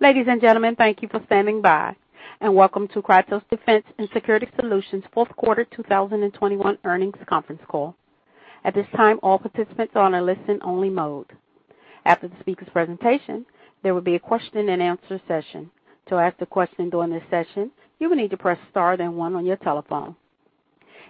Ladies and gentlemen, thank you for standing by, and welcome to Kratos Defense & Security Solutions' Fourth Quarter 2021 Earnings Conference Call. At this time, all participants are on a listen-only mode. After the speaker's presentation, there will be a question and answer session. To ask a question during this session, you will need to press star then one on your telephone.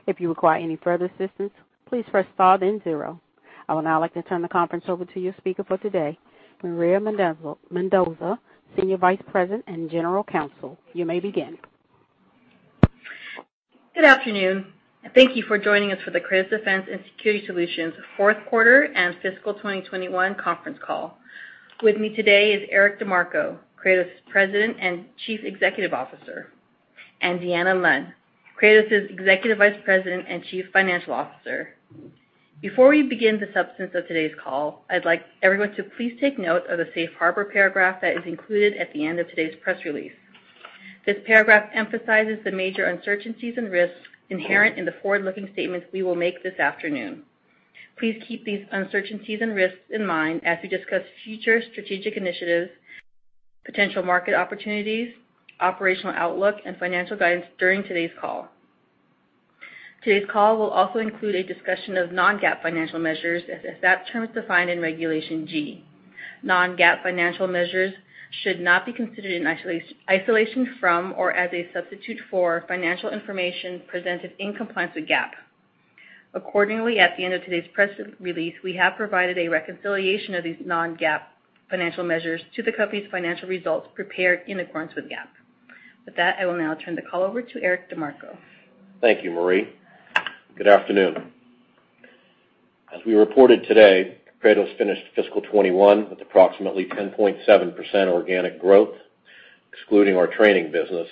If you require any further assistance, please press star then zero. I would now like to turn the conference over to your speaker for today, Marie Mendoza, Senior Vice President and General Counsel. You may begin. Good afternoon, and thank you for joining us for the Kratos Defense & Security Solutions fourth quarter and fiscal 2021 conference call. With me today is Eric DeMarco, Kratos President and Chief Executive Officer, and Deanna Lund, Kratos's Executive Vice President and Chief Financial Officer. Before we begin the substance of today's call, I'd like everyone to please take note of the safe harbor paragraph that is included at the end of today's press release. This paragraph emphasizes the major uncertainties and risks inherent in the forward-looking statements we will make this afternoon. Please keep these uncertainties and risks in mind as we discuss future strategic initiatives, potential market opportunities, operational outlook, and financial guidance during today's call. Today's call will also include a discussion of non-GAAP financial measures as that term is defined in Regulation G. Non-GAAP financial measures should not be considered in isolation from or as a substitute for financial information presented in compliance with GAAP. Accordingly, at the end of today's press release, we have provided a reconciliation of these non-GAAP financial measures to the company's financial results prepared in accordance with GAAP. With that, I will now turn the call over to Eric DeMarco. Thank you, Marie. Good afternoon. As we reported today, Kratos finished fiscal 2021 with approximately 10.7% organic growth, excluding our training business,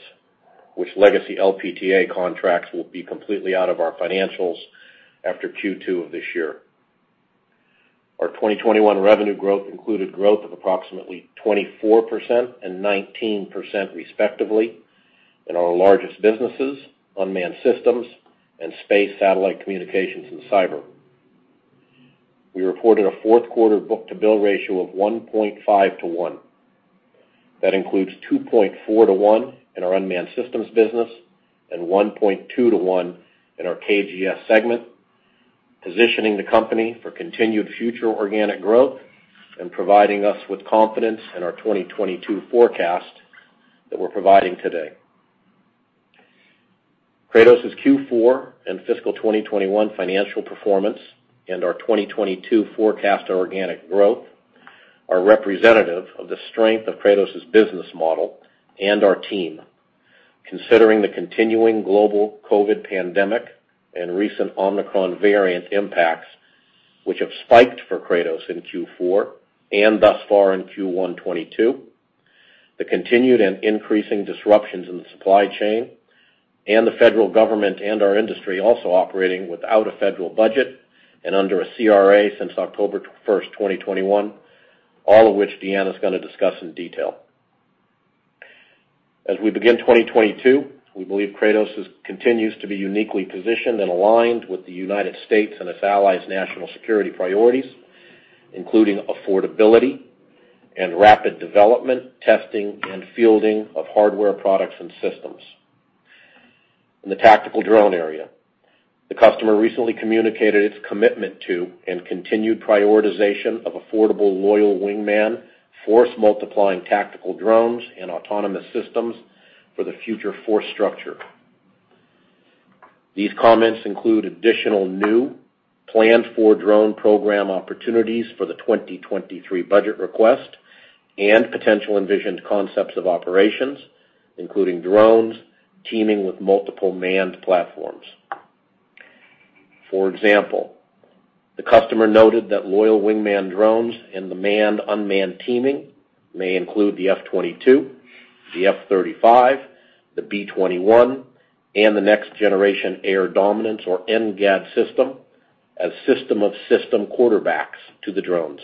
which legacy LPTA contracts will be completely out of our financials after Q2 of this year. Our 2021 revenue growth included growth of approximately 24% and 19% respectively in our largest businesses, unmanned systems and space satellite communications and cyber. We reported a fourth quarter book to bill ratio of 1.5 to 1. That includes 2.4 to 1 in our unmanned systems business and 1.2 to 1 in our KGS segment, positioning the company for continued future organic growth and providing us with confidence in our 2022 forecast that we're providing today. Kratos's Q4 and fiscal 2021 financial performance and our 2022 forecast organic growth are representative of the strength of Kratos's business model and our team, considering the continuing global COVID pandemic and recent Omicron variant impacts, which have spiked for Kratos in Q4 and thus far in Q1 2022, the continued and increasing disruptions in the supply chain and the federal government and our industry also operating without a federal budget and under a CR since October 1, 2021, all of which Deanna's gonna discuss in detail. We begin 2022. We believe Kratos continues to be uniquely positioned and aligned with the U.S. and its allies' national security priorities, including affordability and rapid development, testing, and fielding of hardware products and systems. In the tactical drone area, the customer recently communicated its commitment to and continued prioritization of affordable loyal wingman force multiplying tactical drones and autonomous systems for the future force structure. These comments include additional new planned for drone program opportunities for the 2023 budget request and potential envisioned concepts of operations, including drones teaming with multiple manned platforms. For example, the customer noted that loyal wingman drones and the manned unmanned teaming may include the F-22, the F-35, the B-21, and the Next Generation Air Dominance or NGAD system as system of system quarterbacks to the drones.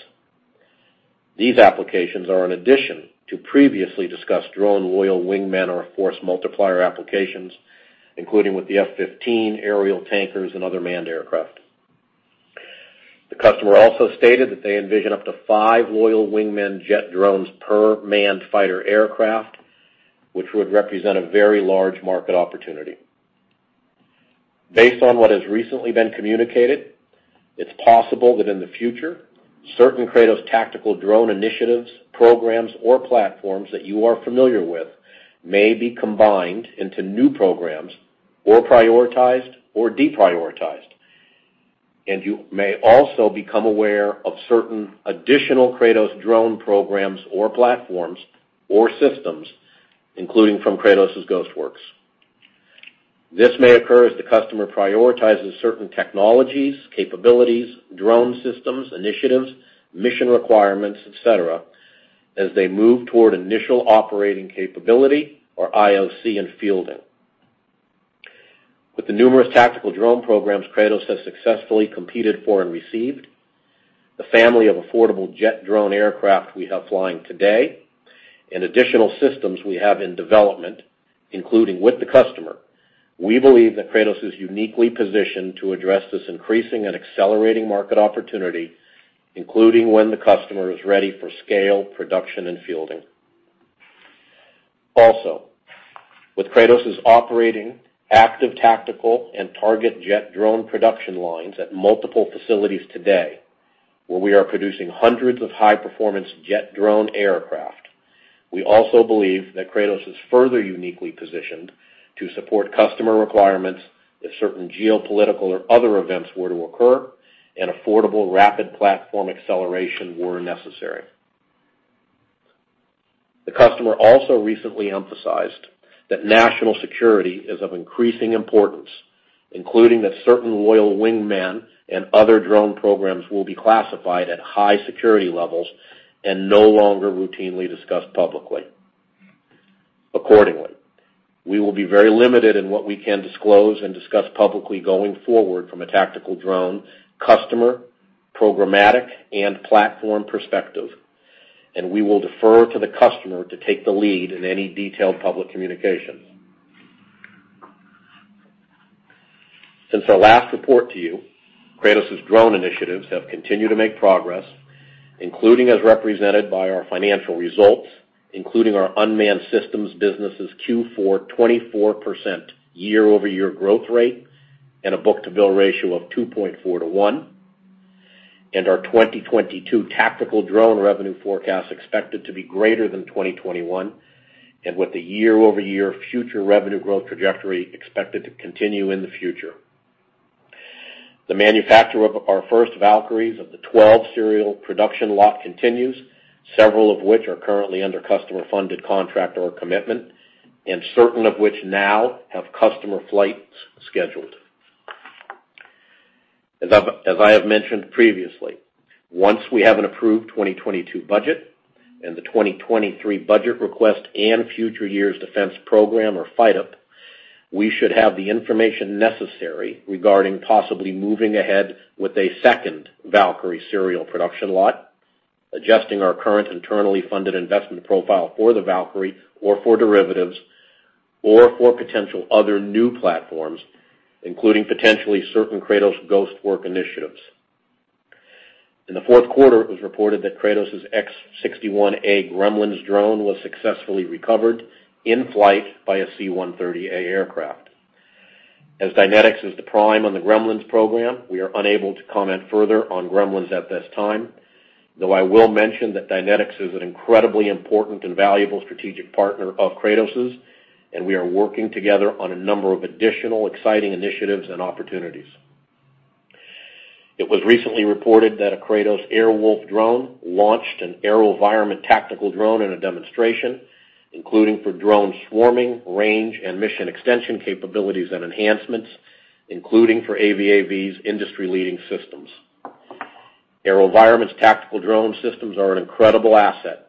These applications are an addition to previously discussed drone loyal wingmen or force multiplier applications, including with the F-15 aerial tankers and other manned aircraft. The customer also stated that they envision up to five loyal wingmen jet drones per manned fighter aircraft, which would represent a very large market opportunity. Based on what has recently been communicated, it's possible that in the future, certain Kratos tactical drone initiatives, programs or platforms that you are familiar with may be combined into new programs or prioritized or deprioritized. You may also become aware of certain additional Kratos drone programs or platforms or systems, including from Kratos's Ghost Works. This may occur as the customer prioritizes certain technologies, capabilities, drone systems, initiatives, mission requirements, et cetera, as they move toward initial operating capability or IOC and fielding. With the numerous tactical drone programs Kratos has successfully competed for and received, the family of affordable jet drone aircraft we have flying today, and additional systems we have in development, including with the customer. We believe that Kratos is uniquely positioned to address this increasing and accelerating market opportunity, including when the customer is ready for scale, production and fielding. Also, with Kratos' operating active tactical and target jet drone production lines at multiple facilities today, where we are producing hundreds of high performance jet drone aircraft, we also believe that Kratos is further uniquely positioned to support customer requirements if certain geopolitical or other events were to occur and affordable rapid platform acceleration were necessary. The customer also recently emphasized that national security is of increasing importance, including that certain Loyal Wingman and other drone programs will be classified at high security levels and no longer routinely discussed publicly. Accordingly, we will be very limited in what we can disclose and discuss publicly going forward from a tactical drone customer, programmatic, and platform perspective, and we will defer to the customer to take the lead in any detailed public communications. Since our last report to you, Kratos' drone initiatives have continued to make progress, including as represented by our financial results, including our unmanned systems business' Q4 24% year-over-year growth rate and a book-to-bill ratio of 2.4 to 1, and our 2022 tactical drone revenue forecast expected to be greater than 2021 and with the year-over-year future revenue growth trajectory expected to continue in the future. The manufacture of our first Valkyries of the 12 serial production lot continues, several of which are currently under customer funded contract or commitment, and certain of which now have customer flights scheduled. As I have mentioned previously, once we have an approved 2022 budget and the 2023 budget request and future years' defense program or FYDP, we should have the information necessary regarding possibly moving ahead with a second Valkyrie serial production lot, adjusting our current internally funded investment profile for the Valkyrie or for derivatives or for potential other new platforms, including potentially certain Kratos Ghost Works initiatives. In the fourth quarter, it was reported that Kratos' X-61A Gremlins drone was successfully recovered in flight by a C-130A aircraft. As Dynetics is the prime on the Gremlins program, we are unable to comment further on Gremlins at this time, though I will mention that Dynetics is an incredibly important and valuable strategic partner of Kratos', and we are working together on a number of additional exciting initiatives and opportunities. It was recently reported that a Kratos Air Wolf drone launched an AeroVironment tactical drone in a demonstration, including for drone swarming, range, and mission extension capabilities and enhancements, including for AVAV's industry-leading systems. AeroVironment's tactical drone systems are an incredible asset,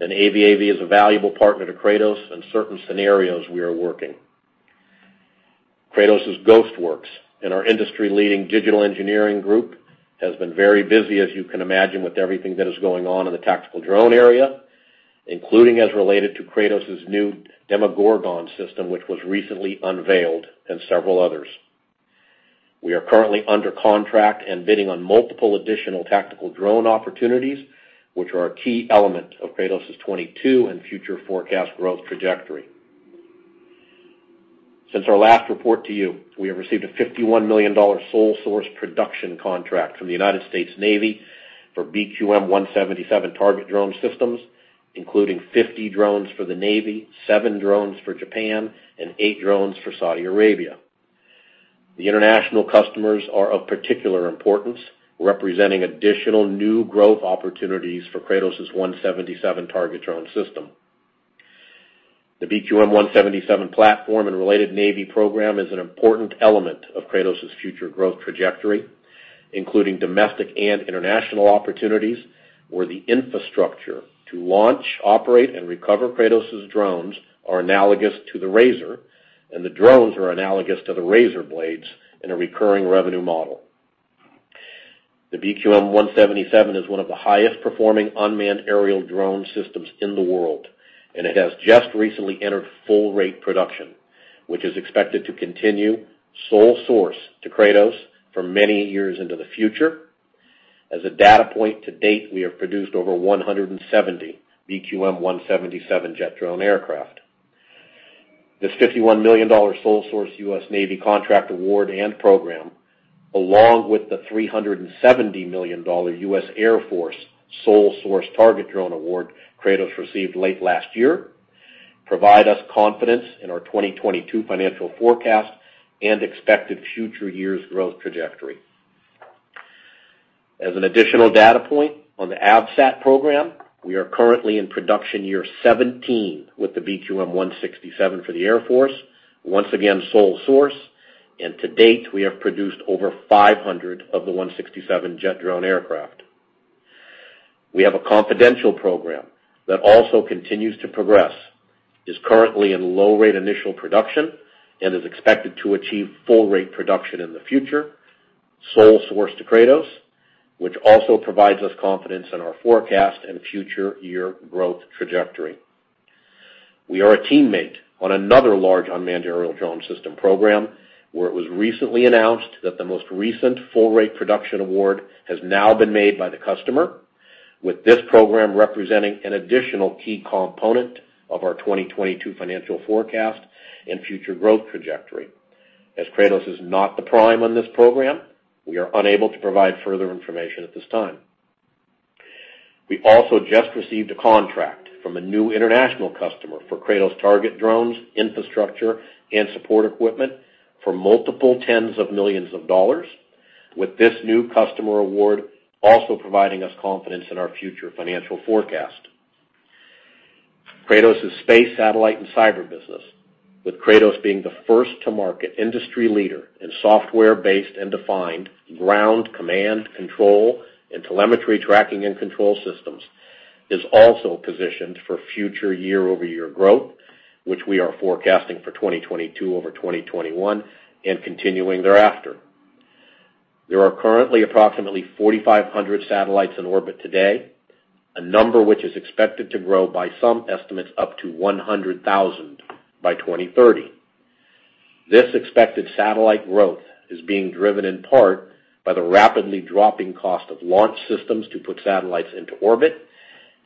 and AVAV is a valuable partner to Kratos in certain scenarios we are working. Kratos' Ghost Works and our industry-leading digital engineering group has been very busy, as you can imagine, with everything that is going on in the tactical drone area, including as related to Kratos' new Demogorgon system, which was recently unveiled, and several others. We are currently under contract and bidding on multiple additional tactical drone opportunities, which are a key element of Kratos' 2022 and future forecast growth trajectory. Since our last report to you, we have received a $51 million sole source production contract from the United States Navy for BQM-177 target drone systems, including 50 drones for the Navy, 7 drones for Japan, and 8 drones for Saudi Arabia. The international customers are of particular importance, representing additional new growth opportunities for Kratos' 177 target drone system. The BQM-177 platform and related Navy program is an important element of Kratos' future growth trajectory, including domestic and international opportunities, where the infrastructure to launch, operate, and recover Kratos' drones are analogous to the Razor, and the drones are analogous to the Razor blades in a recurring revenue model. The BQM-177 is one of the highest performing unmanned aerial drone systems in the world, and it has just recently entered full rate production, which is expected to continue sole source to Kratos for many years into the future. As a data point, to date, we have produced over 170 BQM-177 jet drone aircraft. This $51 million sole source U.S. Navy contract award and program, along with the $370 million U.S. Air Force sole source target drone award Kratos received late last year, provide us confidence in our 2022 financial forecast and expected future years' growth trajectory. As an additional data point on the SSAT program, we are currently in production year 17 with the BQM-167 for the Air Force, once again sole source, and to date, we have produced over 500 of the 167 jet drone aircraft. We have a confidential program that also continues to progress, is currently in low rate initial production, and is expected to achieve full rate production in the future. Sole source to Kratos, which also provides us confidence in our forecast and future year growth trajectory. We are a teammate on another large unmanned aerial drone system program, where it was recently announced that the most recent full rate production award has now been made by the customer, with this program representing an additional key component of our 2022 financial forecast and future growth trajectory. As Kratos is not the prime on this program, we are unable to provide further information at this time. We also just received a contract from a new international customer for Kratos target drones, infrastructure, and support equipment for multiple $ tens of millions, with this new customer award also providing us confidence in our future financial forecast. Kratos' space, satellite, and cyber business, with Kratos being the first to market industry leader in software-based and software-defined ground command, control, and telemetry, tracking, and command systems, is also positioned for future year-over-year growth, which we are forecasting for 2022 over 2021 and continuing thereafter. There are currently approximately 4,500 satellites in orbit today, a number which is expected to grow by some estimates up to 100,000 by 2030. This expected satellite growth is being driven in part by the rapidly dropping cost of launch systems to put satellites into orbit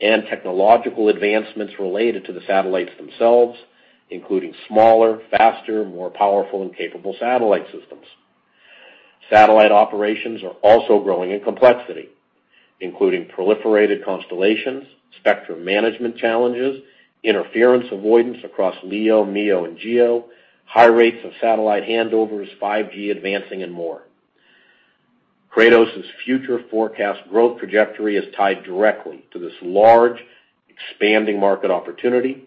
and technological advancements related to the satellites themselves, including smaller, faster, more powerful and capable satellite systems. Satellite operations are also growing in complexity, including proliferated constellations, spectrum management challenges, interference avoidance across LEO, MEO, and GEO, high rates of satellite handovers, 5G advancing and more. Kratos' future forecast growth trajectory is tied directly to this large expanding market opportunity,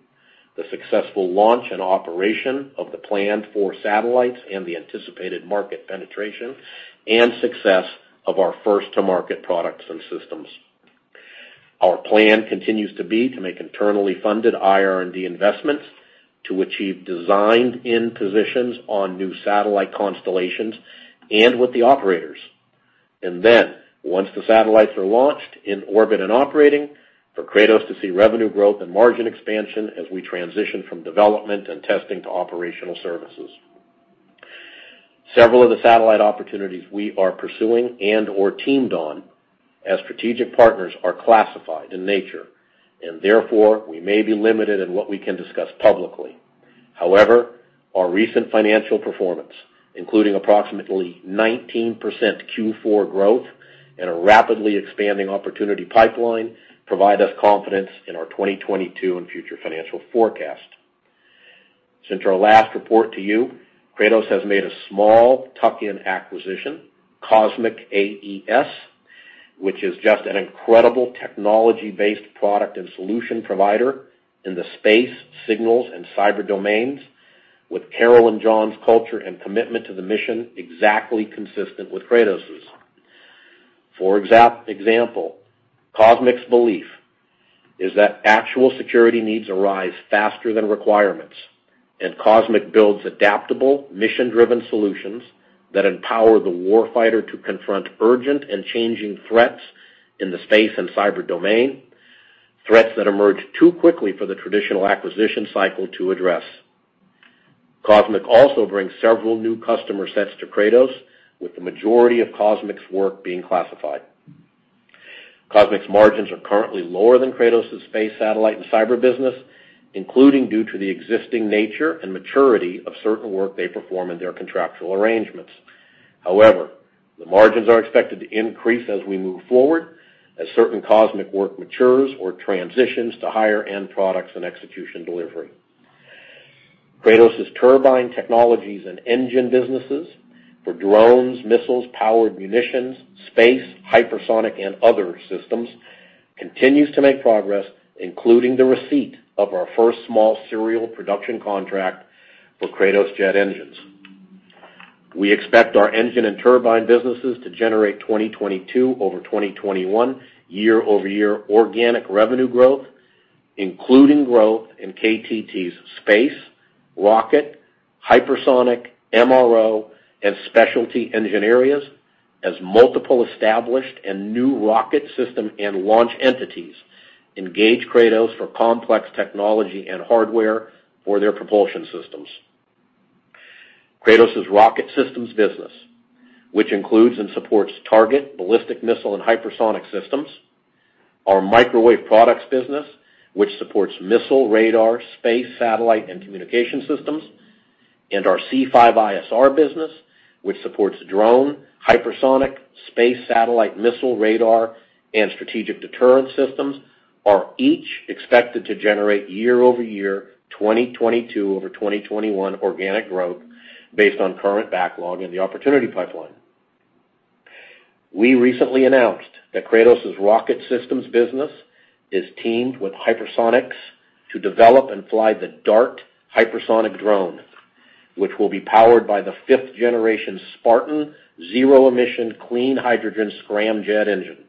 the successful launch and operation of the planned 4 satellites and the anticipated market penetration, and success of our first to market products and systems. Our plan continues to be to make internally funded IR&D investments to achieve designed-in positions on new satellite constellations and with the operators. Once the satellites are launched in orbit and operating, for Kratos to see revenue growth and margin expansion as we transition from development and testing to operational services. Several of the satellite opportunities we are pursuing and or teamed on as strategic partners are classified in nature, and therefore we may be limited in what we can discuss publicly. However, our recent financial performance, including approximately 19% Q4 growth and a rapidly expanding opportunity pipeline, provide us confidence in our 2022 and future financial forecast. Since our last report to you, Kratos has made a small tuck-in acquisition, Cosmic AES, which is just an incredible technology-based product and solution provider in the space, signals, and cyber domains with Carol and John's culture and commitment to the mission exactly consistent with Kratos's. For example, Cosmic's belief is that actual security needs arise faster than requirements, and Cosmic builds adaptable, mission-driven solutions that empower the war fighter to confront urgent and changing threats in the space and cyber domain, threats that emerge too quickly for the traditional acquisition cycle to address. Cosmic also brings several new customer sets to Kratos, with the majority of Cosmic's work being classified. Cosmic's margins are currently lower than Kratos' space, satellite, and cyber business, including due to the existing nature and maturity of certain work they perform in their contractual arrangements. However, the margins are expected to increase as we move forward as certain Cosmic work matures or transitions to higher-end products and execution delivery. Kratos' turbine technologies and engine businesses for drones, missiles, powered munitions, space, hypersonic and other systems continues to make progress, including the receipt of our first small serial production contract for Kratos jet engines. We expect our engine and turbine businesses to generate 2022 over 2021 year-over-year organic revenue growth, including growth in KTT's space, rocket, hypersonic, MRO, and specialty engine areas as multiple established and new rocket system and launch entities engage Kratos for complex technology and hardware for their propulsion systems. Kratos' rocket systems business, which includes and supports target, ballistic missile, and hypersonic systems, our microwave products business which supports missile, radar, space, satellite, and communication systems, and our C5ISR business which supports drone, hypersonic, space, satellite, missile, radar, and strategic deterrence systems are each expected to generate year-over-year 2022 over 2021 organic growth based on current backlog in the opportunity pipeline. We recently announced that Kratos' rocket systems business is teamed with Hypersonix to develop and fly the DART hypersonic drone, which will be powered by the fifth generation SPARTAN zero-emission clean hydrogen scramjet engine.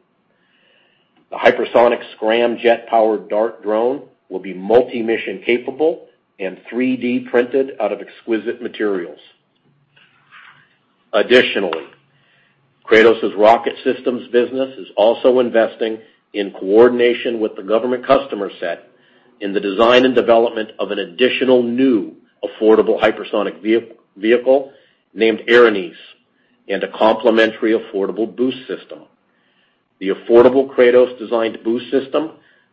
The hypersonic scramjet powered DART drone will be multi-mission capable and 3D printed out of exquisite materials. Additionally, Kratos' rocket systems business is also investing in coordination with the government customer set in the design and development of an additional new affordable hypersonic vehicle named Erinys and a complementary affordable boost system. The affordable Kratos designed boost system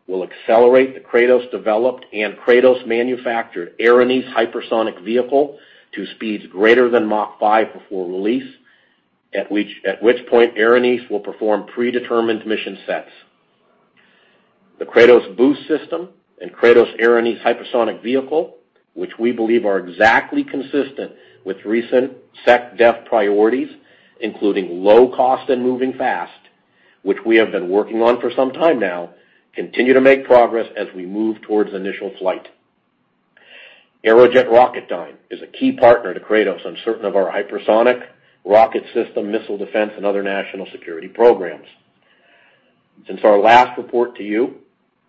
will accelerate the Kratos developed and Kratos manufactured Erinys hypersonic vehicle to speeds greater than Mach five before release, at which point Erinys will perform predetermined mission sets. The Kratos boost system and Kratos Erinys hypersonic vehicle, which we believe are exactly consistent with recent SecDef priorities, including low cost and moving fast, which we have been working on for some time now, continue to make progress as we move towards initial flight. Aerojet Rocketdyne is a key partner to Kratos on certain of our hypersonic rocket system, missile defense, and other national security programs. Since our last report to you,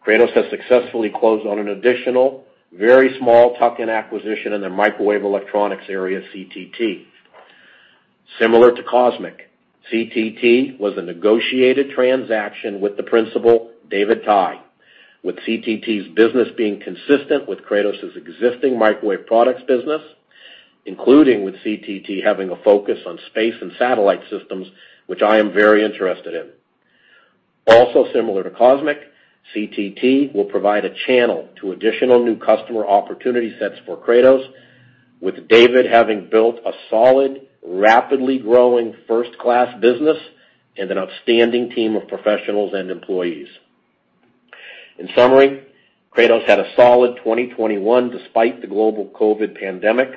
Kratos has successfully closed on an additional very small tuck-in acquisition in the microwave electronics area, CTT. Similar to Cosmic, CTT was a negotiated transaction with the principal, David Tye, with CTT's business being consistent with Kratos' existing microwave products business, including with CTT having a focus on space and satellite systems, which I am very interested in. Also similar to Cosmic, CTT will provide a channel to additional new customer opportunity sets for Kratos, with David having built a solid, rapidly growing first-class business and an outstanding team of professionals and employees. In summary, Kratos had a solid 2021 despite the global COVID pandemic,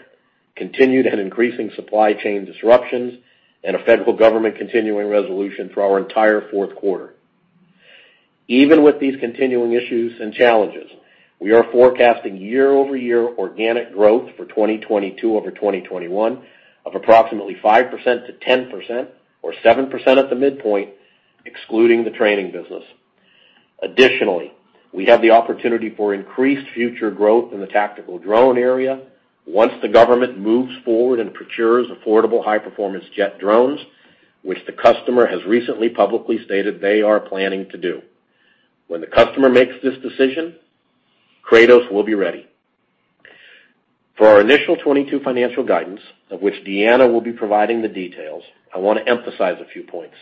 continued and increasing supply chain disruptions, and a federal government continuing resolution for our entire fourth quarter. Even with these continuing issues and challenges, we are forecasting year-over-year organic growth for 2022 over 2021 of approximately 5%-10% or 7% at the midpoint, excluding the training business. Additionally, we have the opportunity for increased future growth in the tactical drone area once the government moves forward and procures affordable high-performance jet drones, which the customer has recently publicly stated they are planning to do. When the customer makes this decision, Kratos will be ready. For our initial 2022 financial guidance, of which Deanna will be providing the details, I wanna emphasize a few points.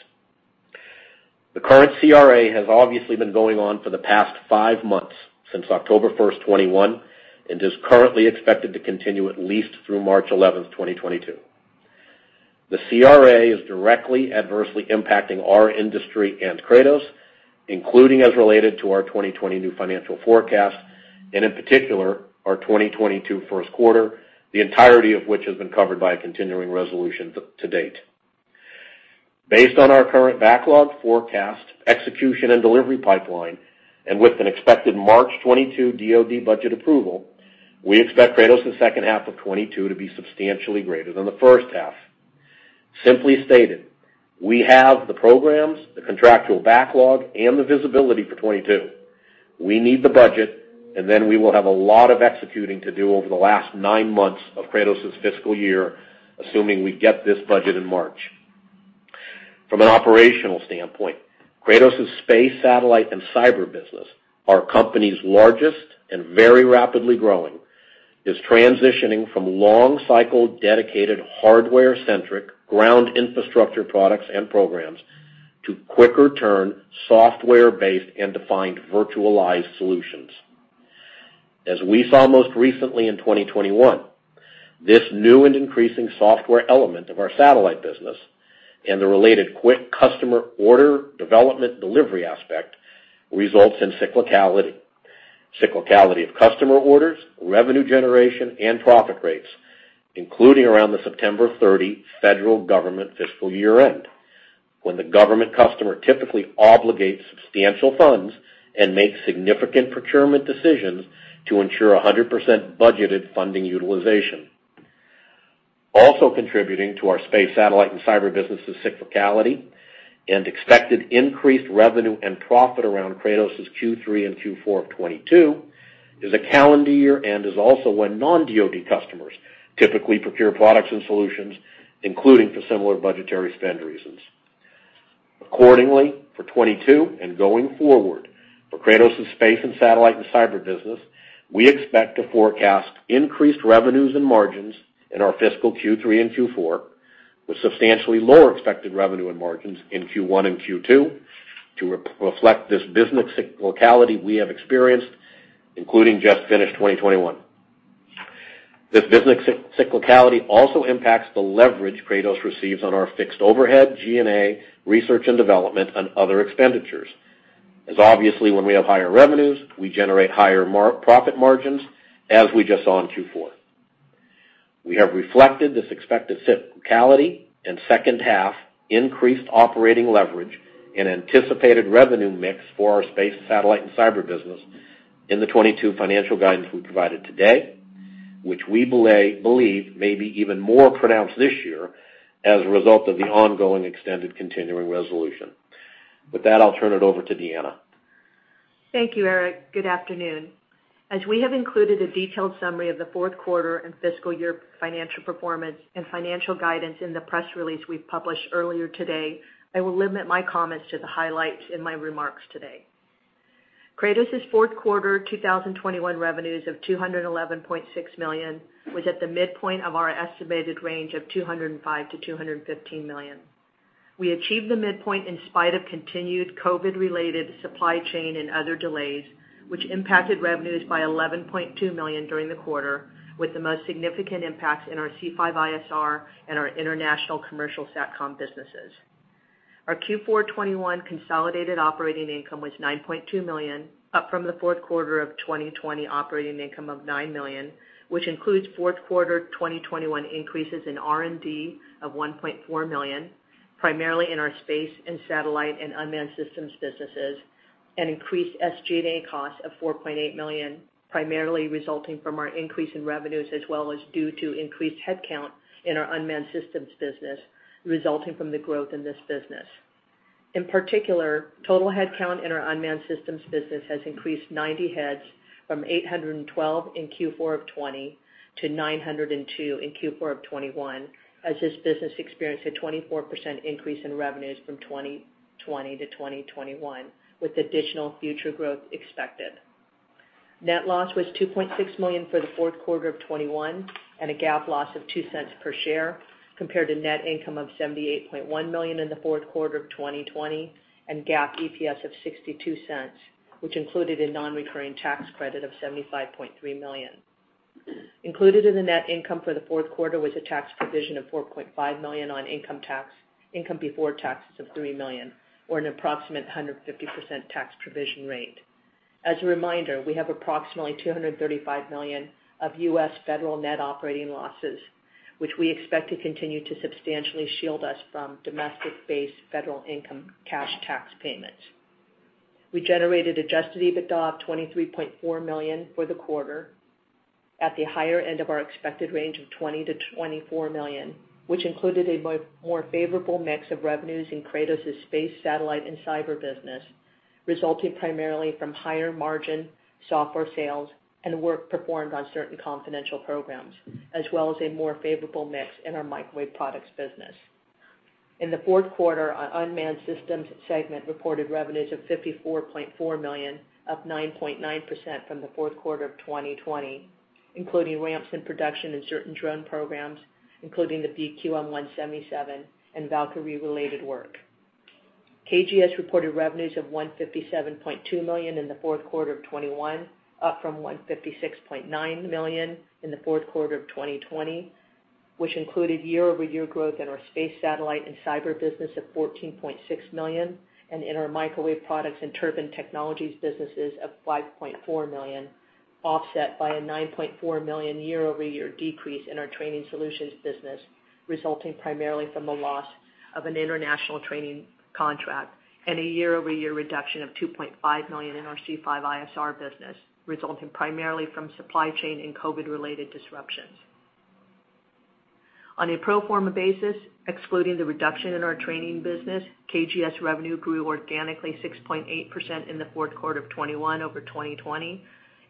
The current CR has obviously been going on for the past five months, since October 1, 2021, and is currently expected to continue at least through March 11, 2022. The CR is directly adversely impacting our industry and Kratos, including as related to our 2020 new financial forecast, and in particular, our 2022 first quarter, the entirety of which has been covered by a continuing resolution to date. Based on our current backlog forecast, execution and delivery pipeline, and with an expected March 2022 DoD budget approval, we expect Kratos' second half of 2022 to be substantially greater than the first half. Simply stated, we have the programs, the contractual backlog, and the visibility for 2022. We need the budget, and then we will have a lot of executing to do over the last nine months of Kratos' fiscal year, assuming we get this budget in March. From an operational standpoint, Kratos' space, satellite, and cyber business, our company's largest and very rapidly growing, is transitioning from long-cycle, dedicated, hardware-centric ground infrastructure products and programs to quicker turn software-based and defined virtualized solutions. As we saw most recently in 2021, this new and increasing software element of our satellite business and the related quick customer order development delivery aspect results in cyclicality. Cyclicality of customer orders, revenue generation, and profit rates, including around the September 30 federal government fiscal year-end, when the government customer typically obligates substantial funds and makes significant procurement decisions to ensure 100% budgeted funding utilization. Also contributing to our space, satellite, and cyber business' cyclicality and expected increased revenue and profit around Kratos' Q3 and Q4 of 2022 is a calendar year and is also when non-DoD customers typically procure products and solutions, including for similar budgetary spend reasons. Accordingly, for 2022 and going forward, for Kratos' space and satellite and cyber business, we expect to forecast increased revenues and margins in our fiscal Q3 and Q4, with substantially lower expected revenue and margins in Q1 and Q2 to re-reflect this business cyclicality we have experienced, including just finished 2021. This business cyclicality also impacts the leverage Kratos receives on our fixed overhead, G&A, research and development, and other expenditures. As obviously, when we have higher revenues, we generate higher profit margins, as we just saw in Q4. We have reflected this expected cyclicality and second half increased operating leverage and anticipated revenue mix for our space, satellite, and cyber business in the 2022 financial guidance we provided today, which we believe may be even more pronounced this year as a result of the ongoing extended Continuing Resolution. With that, I'll turn it over to Deanna. Thank you, Eric. Good afternoon. As we have included a detailed summary of the fourth quarter and fiscal year financial performance and financial guidance in the press release we published earlier today, I will limit my comments to the highlights in my remarks today. Kratos' fourth quarter 2021 revenues of $211.6 million was at the midpoint of our estimated range of $205 million-$215 million. We achieved the midpoint in spite of continued COVID-related supply chain and other delays, which impacted revenues by $11.2 million during the quarter, with the most significant impacts in our C5ISR and our international commercial SatCom businesses. Our Q4 2021 consolidated operating income was $9.2 million, up from the fourth quarter of 2020 operating income of $9 million, which includes fourth quarter 2021 increases in R&D of $1.4 million, primarily in our space and satellite and unmanned systems businesses, and increased SG&A costs of $4.8 million, primarily resulting from our increase in revenues as well as due to increased headcount in our unmanned systems business, resulting from the growth in this business. In particular, total headcount in our unmanned systems business has increased 90 heads from 812 in Q4 of 2020 to 902 in Q4 of 2021, as this business experienced a 24% increase in revenues from 2020 to 2021, with additional future growth expected. Net loss was $2.6 million for the fourth quarter of 2021 and a GAAP loss of $0.02 per share, compared to net income of $78.1 million in the fourth quarter of 2020 and GAAP EPS of $0.62, which included a non-recurring tax credit of $75.3 million. Included in the net income for the fourth quarter was a tax provision of $4.5 million on income before taxes of $3 million, or an approximate 150% tax provision rate. As a reminder, we have approximately $235 million of U.S. federal net operating losses, which we expect to continue to substantially shield us from domestic-based federal income cash tax payments. We generated Adjusted EBITDA of $23.4 million for the quarter at the higher end of our expected range of $20 million-$24 million, which included a more favorable mix of revenues in Kratos' space, satellite, and cyber business, resulting primarily from higher-margin software sales and work performed on certain confidential programs, as well as a more favorable mix in our microwave products business. In the fourth quarter, our unmanned systems segment reported revenues of $54.4 million, up 9.9% from the fourth quarter of 2020, including ramps in production in certain drone programs, including the BQM-177 and Valkyrie-related work. KGS reported revenues of $157.2 million in the fourth quarter of 2021, up from $156.9 million in the fourth quarter of 2020, which included year-over-year growth in our space, satellite, and cyber business of $14.6 million and in our microwave products and turbine technologies businesses of $5.4 million, offset by a $9.4 million year-over-year decrease in our training solutions business, resulting primarily from the loss of an international training contract and a year-over-year reduction of $2.5 million in our C5ISR business, resulting primarily from supply chain and COVID-related disruptions. On a pro forma basis, excluding the reduction in our training business, KGS revenue grew organically 6.8% in the fourth quarter of 2021 over 2020,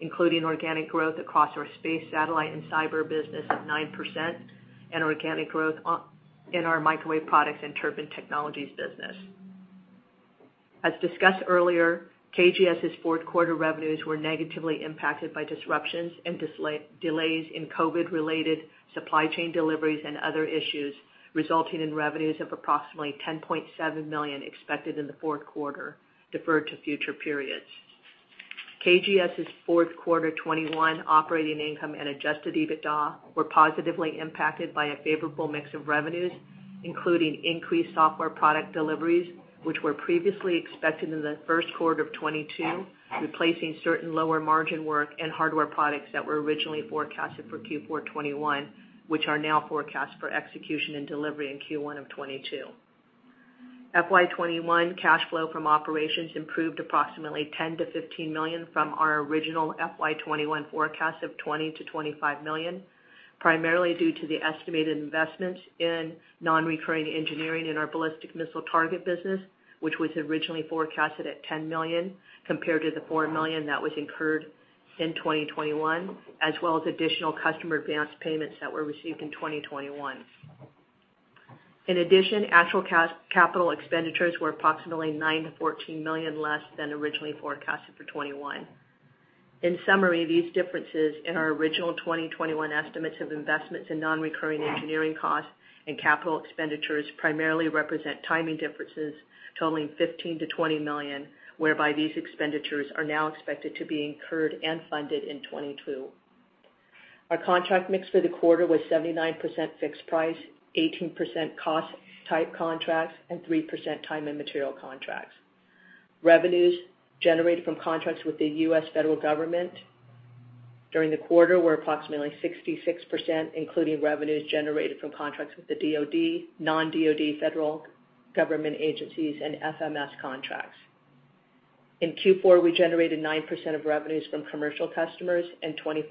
including organic growth across our space, satellite, and cyber business of 9% and organic growth in our microwave products and turbine technologies business. As discussed earlier, KGS's fourth quarter revenues were negatively impacted by disruptions and delays in COVID-related supply chain deliveries and other issues, resulting in revenues of approximately $10.7 million expected in the fourth quarter deferred to future periods. KGS's fourth quarter 2021 operating income and Adjusted EBITDA were positively impacted by a favorable mix of revenues, including increased software product deliveries, which were previously expected in the first quarter of 2022, replacing certain lower-margin work and hardware products that were originally forecasted for Q4 2021, which are now forecast for execution and delivery in Q1 of 2022. FY 2021 cash flow from operations improved approximately $10-$15 million from our original FY 2021 forecast of $20-$25 million, primarily due to the estimated investments in non-recurring engineering in our ballistic missile target business, which was originally forecasted at $10 million, compared to the $4 million that was incurred in 2021, as well as additional customer advanced payments that were received in 2021. In addition, actual capital expenditures were approximately $9-$14 million less than originally forecasted for 2021. In summary, these differences in our original 2021 estimates of investments in non-recurring engineering costs and capital expenditures primarily represent timing differences totaling $15 million-$20 million, whereby these expenditures are now expected to be incurred and funded in 2022. Our contract mix for the quarter was 79% fixed price, 18% cost type contracts, and 3% time and material contracts. Revenues generated from contracts with the U.S. federal government during the quarter were approximately 66%, including revenues generated from contracts with the DoD, non-DoD federal government agencies, and FMS contracts. In Q4, we generated 9% of revenues from commercial customers and 25%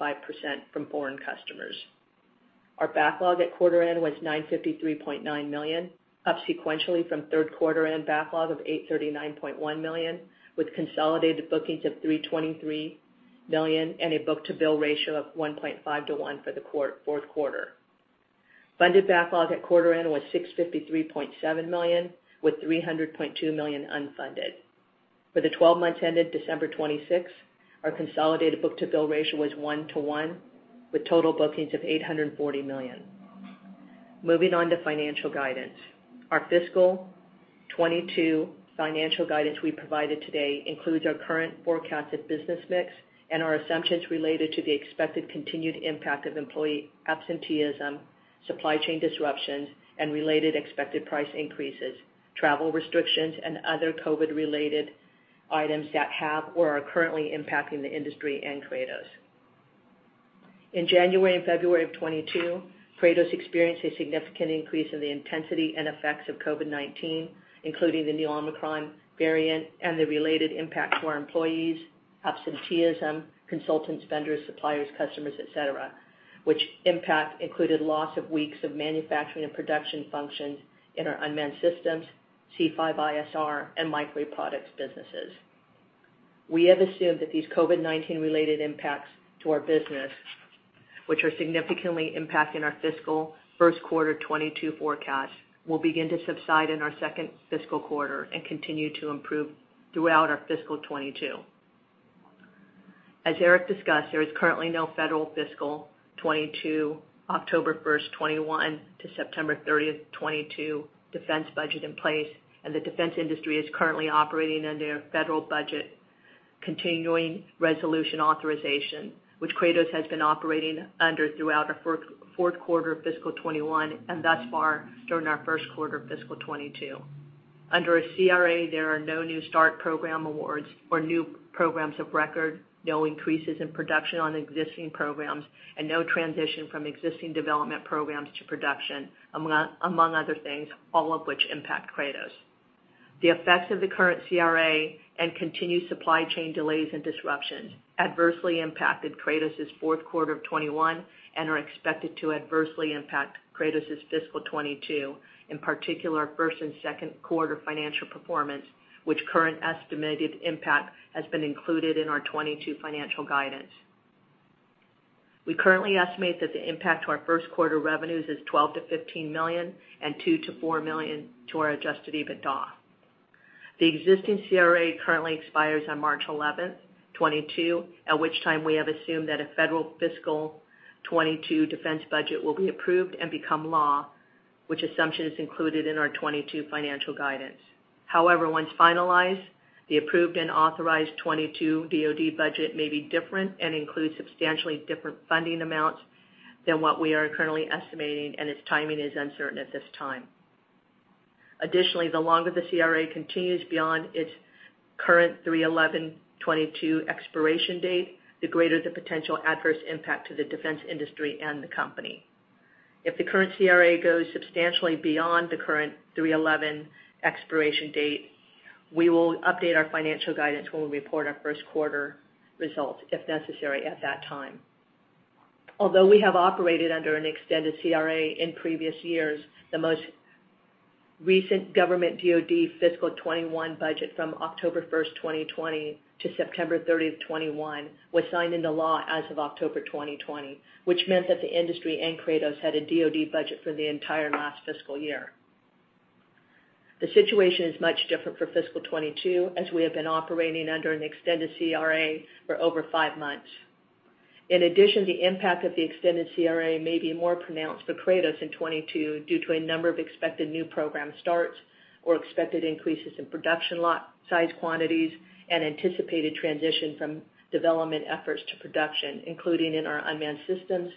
from foreign customers. Our backlog at quarter end was $953.9 million, up sequentially from third quarter end backlog of $839.1 million, with consolidated bookings of $323 million and a book-to-bill ratio of 1.5 to 1 for the fourth quarter. Funded backlog at quarter end was $653.7 million, with $300.2 million unfunded. For the 12 months ended December 26, our consolidated book-to-bill ratio was 1 to 1, with total bookings of $840 million. Moving on to financial guidance. Our fiscal 2022 financial guidance we provided today includes our current forecasted business mix and our assumptions related to the expected continued impact of employee absenteeism, supply chain disruptions, and related expected price increases, travel restrictions, and other COVID-related items that have or are currently impacting the industry and Kratos. In January and February of 2022, Kratos experienced a significant increase in the intensity and effects of COVID-19, including the new Omicron variant and the related impact to our employees, absenteeism, consultants, vendors, suppliers, customers, et cetera, which impact included loss of weeks of manufacturing and production functions in our unmanned systems, C5ISR, and microwave products businesses. We have assumed that these COVID-19 related impacts to our business, which are significantly impacting our fiscal first quarter 2022 forecast, will begin to subside in our second fiscal quarter and continue to improve throughout our fiscal 2022. As Eric discussed, there is currently no federal fiscal 2022, October 1, 2021 to September 30, 2022 defense budget in place, and the defense industry is currently operating under federal budget continuing resolution authorization, which Kratos has been operating under throughout our fourth quarter of fiscal 2021 and thus far during our first quarter of fiscal 2022. Under a CRA, there are no new start program awards or new programs of record, no increases in production on existing programs, and no transition from existing development programs to production, among other things, all of which impact Kratos. The effects of the current CRA and continued supply chain delays and disruptions adversely impacted Kratos' fourth quarter of 2021 and are expected to adversely impact Kratos' fiscal 2022, in particular, our first and second quarter financial performance, which current estimated impact has been included in our 2022 financial guidance. We currently estimate that the impact to our first quarter revenues is $12 million-$15 million and $2 million-$4 million to our adjusted EBITDA. The existing CR currently expires on March 11, 2022, at which time we have assumed that a federal fiscal 2022 defense budget will be approved and become law, which assumption is included in our 2022 financial guidance. However, once finalized, the approved and authorized 2022 DoD budget may be different and include substantially different funding amounts than what we are currently estimating, and its timing is uncertain at this time. Additionally, the longer the CR continues beyond its current March 11, 2022 expiration date, the greater the potential adverse impact to the defense industry and the company. If the current CR goes substantially beyond the current 3/11 expiration date, we will update our financial guidance when we report our first quarter results, if necessary at that time. Although we have operated under an extended CR in previous years, the most recent government DoD fiscal 2021 budget from October 1, 2020, to September 30, 2021, was signed into law as of October 2020, which meant that the industry and Kratos had a DoD budget for the entire last fiscal year. The situation is much different for fiscal 2022, as we have been operating under an extended CR for over five months. In addition, the impact of the extended CR may be more pronounced for Kratos in 2022 due to a number of expected new program starts or expected increases in production lot size quantities and anticipated transition from development efforts to production, including in our unmanned systems,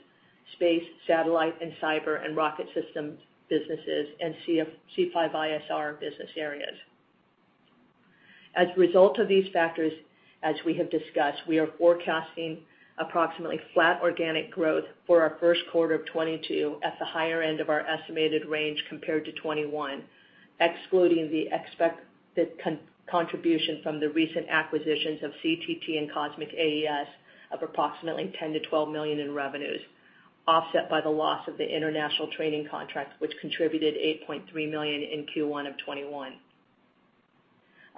space, satellite and cyber and rocket systems businesses and C5ISR business areas. As a result of these factors, as we have discussed, we are forecasting approximately flat organic growth for our first quarter of 2022 at the higher end of our estimated range compared to 2021, excluding the expected contribution from the recent acquisitions of CTT and Cosmic AES of approximately $10 million-$12 million in revenues, offset by the loss of the international training contracts, which contributed $8.3 million in Q1 of 2021.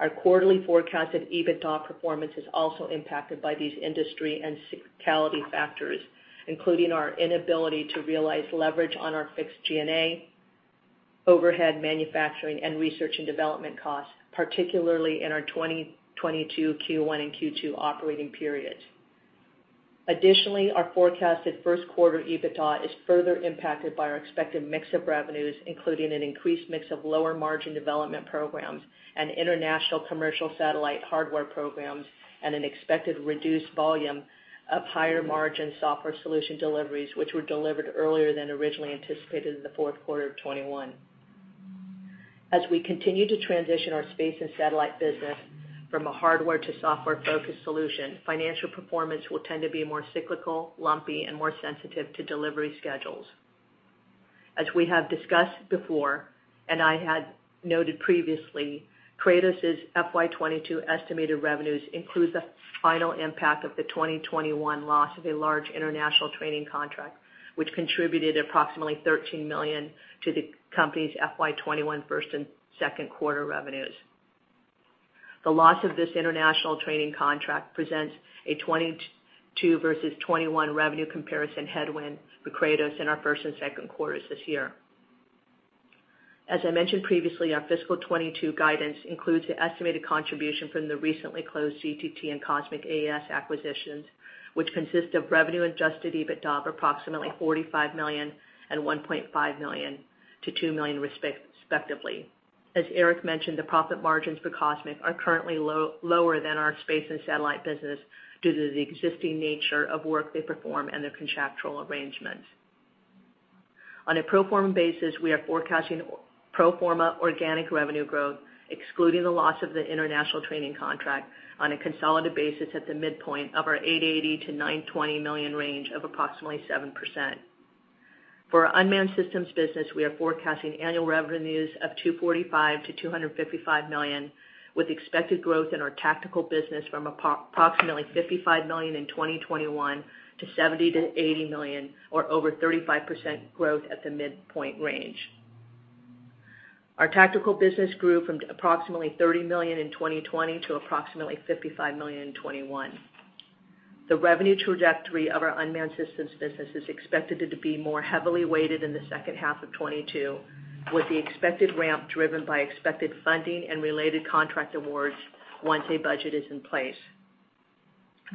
Our quarterly forecasted EBITDA performance is also impacted by these industry and cyclicality factors, including our inability to realize leverage on our fixed G&A, overhead manufacturing, and research and development costs, particularly in our 2022 Q1 and Q2 operating periods. Additionally, our forecasted first quarter EBITDA is further impacted by our expected mix of revenues, including an increased mix of lower margin development programs and international commercial satellite hardware programs and an expected reduced volume of higher margin software solution deliveries, which were delivered earlier than originally anticipated in the fourth quarter of 2021. As we continue to transition our space and satellite business from a hardware to software-focused solution, financial performance will tend to be more cyclical, lumpy, and more sensitive to delivery schedules. As we have discussed before, and I had noted previously, Kratos' FY 2022 estimated revenues includes the final impact of the 2021 loss of a large international training contract, which contributed approximately $13 million to the company's FY 2021 first and second quarter revenues. The loss of this international training contract presents a 2022 versus 2021 revenue comparison headwind for Kratos in our first and second quarters this year. As I mentioned previously, our fiscal 2022 guidance includes the estimated contribution from the recently closed CTT and Cosmic AES acquisitions, which consist of revenue Adjusted EBITDA of approximately $45 million and $1.5 million-$2 million respectively. As Eric mentioned, the profit margins for Cosmic are currently lower than our space and satellite business due to the existing nature of work they perform and their contractual arrangements. On a pro forma basis, we are forecasting pro forma organic revenue growth, excluding the loss of the international training contract on a consolidated basis at the midpoint of our $88-$92 million range of approximately 7%. For our unmanned systems business, we are forecasting annual revenues of $245-$255 million, with expected growth in our tactical business from approximately $55 million in 2021 to $70-$80 million or over 35% growth at the midpoint range. Our tactical business grew from approximately $30 million in 2020 to approximately $55 million in 2021. The revenue trajectory of our unmanned systems business is expected to be more heavily weighted in the second half of 2022, with the expected ramp driven by expected funding and related contract awards once a budget is in place.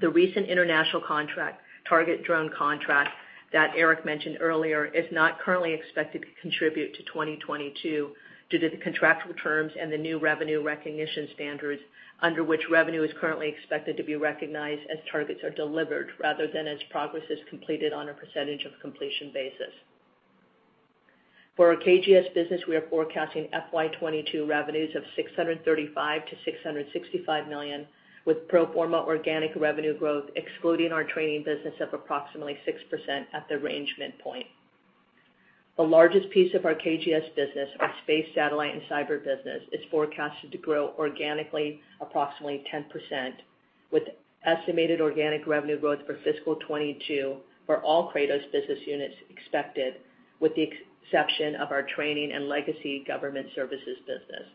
The recent international contract, target drone contract that Eric mentioned earlier, is not currently expected to contribute to 2022 due to the contractual terms and the new revenue recognition standards under which revenue is currently expected to be recognized as targets are delivered rather than as progress is completed on a percentage of completion basis. For our KGS business, we are forecasting FY 2022 revenues of $635 million-$665 million, with pro forma organic revenue growth excluding our training business of approximately 6% at the range midpoint. The largest piece of our KGS business, our space satellite and cyber business, is forecasted to grow organically approximately 10%, with estimated organic revenue growth for fiscal 2022 for all Kratos business units expected, with the exception of our training and legacy government services business.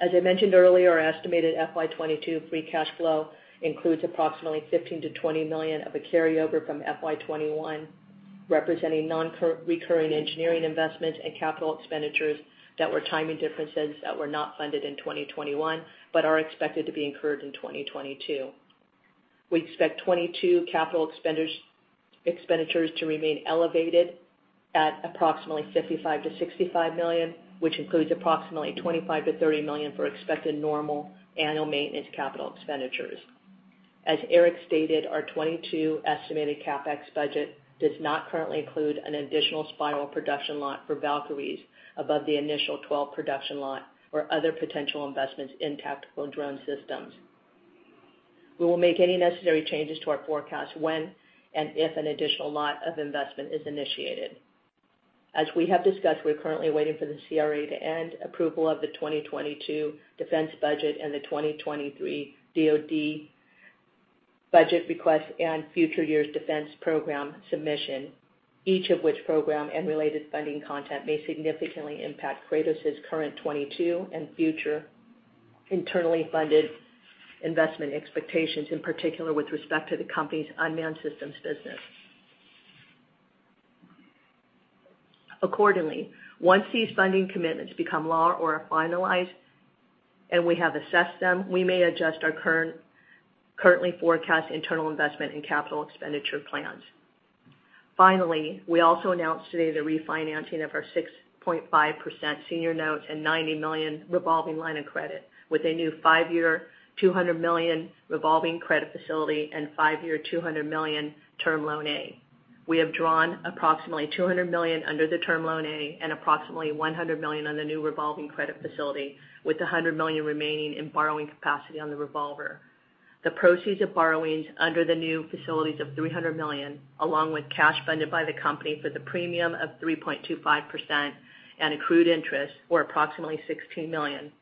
As I mentioned earlier, our estimated FY 2022 free cash flow includes approximately $15 million-$20 million of a carryover from FY 2021, representing nonrecurring engineering investments and capital expenditures that were timing differences that were not funded in 2021 but are expected to be incurred in 2022. We expect 2022 capital expenditures to remain elevated at approximately $55 million-$65 million, which includes approximately $25 million-$30 million for expected normal annual maintenance capital expenditures. As Eric stated, our 2022 estimated CapEx budget does not currently include an additional spiral production lot for Valkyries above the initial 12 production lot or other potential investments in tactical drone systems. We will make any necessary changes to our forecast when and if an additional lot of investment is initiated. As we have discussed, we're currently waiting for the CR to end, approval of the 2022 defense budget and the 2023 DoD budget request and Future Years Defense Program submission, each of which program and related funding content may significantly impact Kratos' current 2022 and future internally funded investment expectations, in particular with respect to the company's unmanned systems business. Accordingly, once these funding commitments become law or are finalized and we have assessed them, we may adjust our currently forecast internal investment and capital expenditure plans. Finally, we also announced today the refinancing of our 6.5% senior notes and $90 million revolving line of credit with a new 5-year, $200 million revolving credit facility and 5-year, $200 million term loan A. We have drawn approximately $200 million under the term loan A and approximately $100 million on the new revolving credit facility, with $100 million remaining in borrowing capacity on the revolver. The proceeds of borrowings under the new facilities of $300 million, along with cash funded by the company for the premium of 3.25% and accrued interest, or approximately $16 million,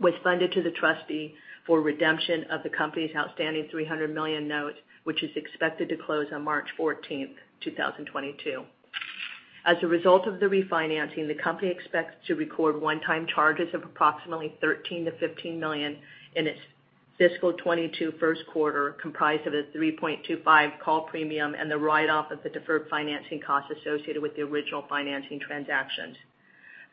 was funded to the trustee for redemption of the company's outstanding $300 million notes, which is expected to close on March 14, 2022. As a result of the refinancing, the company expects to record one-time charges of approximately $13 million-$15 million in its fiscal 2022 first quarter, comprised of a $3.25 million call premium and the write-off of the deferred financing costs associated with the original financing transactions.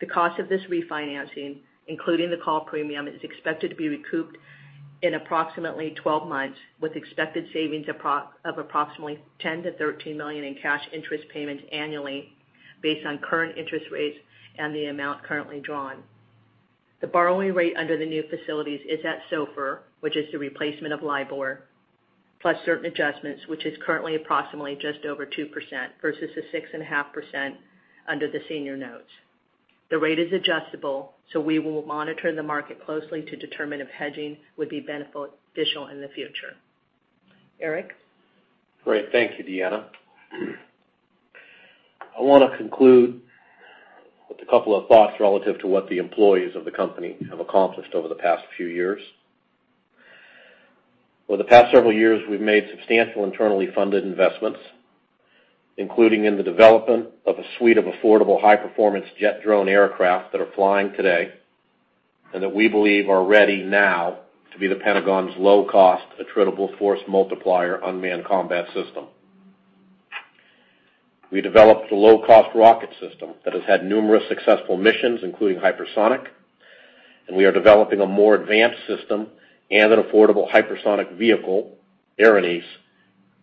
The cost of this refinancing, including the call premium, is expected to be recouped in approximately 12 months, with expected savings of approximately $10 million-$13 million in cash interest payments annually based on current interest rates and the amount currently drawn. The borrowing rate under the new facilities is at SOFR, which is the replacement of LIBOR, plus certain adjustments, which is currently approximately just over 2% versus the 6.5% under the senior notes. The rate is adjustable, so we will monitor the market closely to determine if hedging would be beneficial in the future. Eric? Great. Thank you, Deanna. I wanna conclude with a couple of thoughts relative to what the employees of the company have accomplished over the past few years. Over the past several years, we've made substantial internally funded investments, including in the development of a suite of affordable high performance jet drone aircraft that are flying today, and that we believe are ready now to be the Pentagon's low cost, attritable force multiplier unmanned combat system. We developed a low-cost rocket system that has had numerous successful missions, including hypersonic, and we are developing a more advanced system and an affordable hypersonic vehicle, Erinys,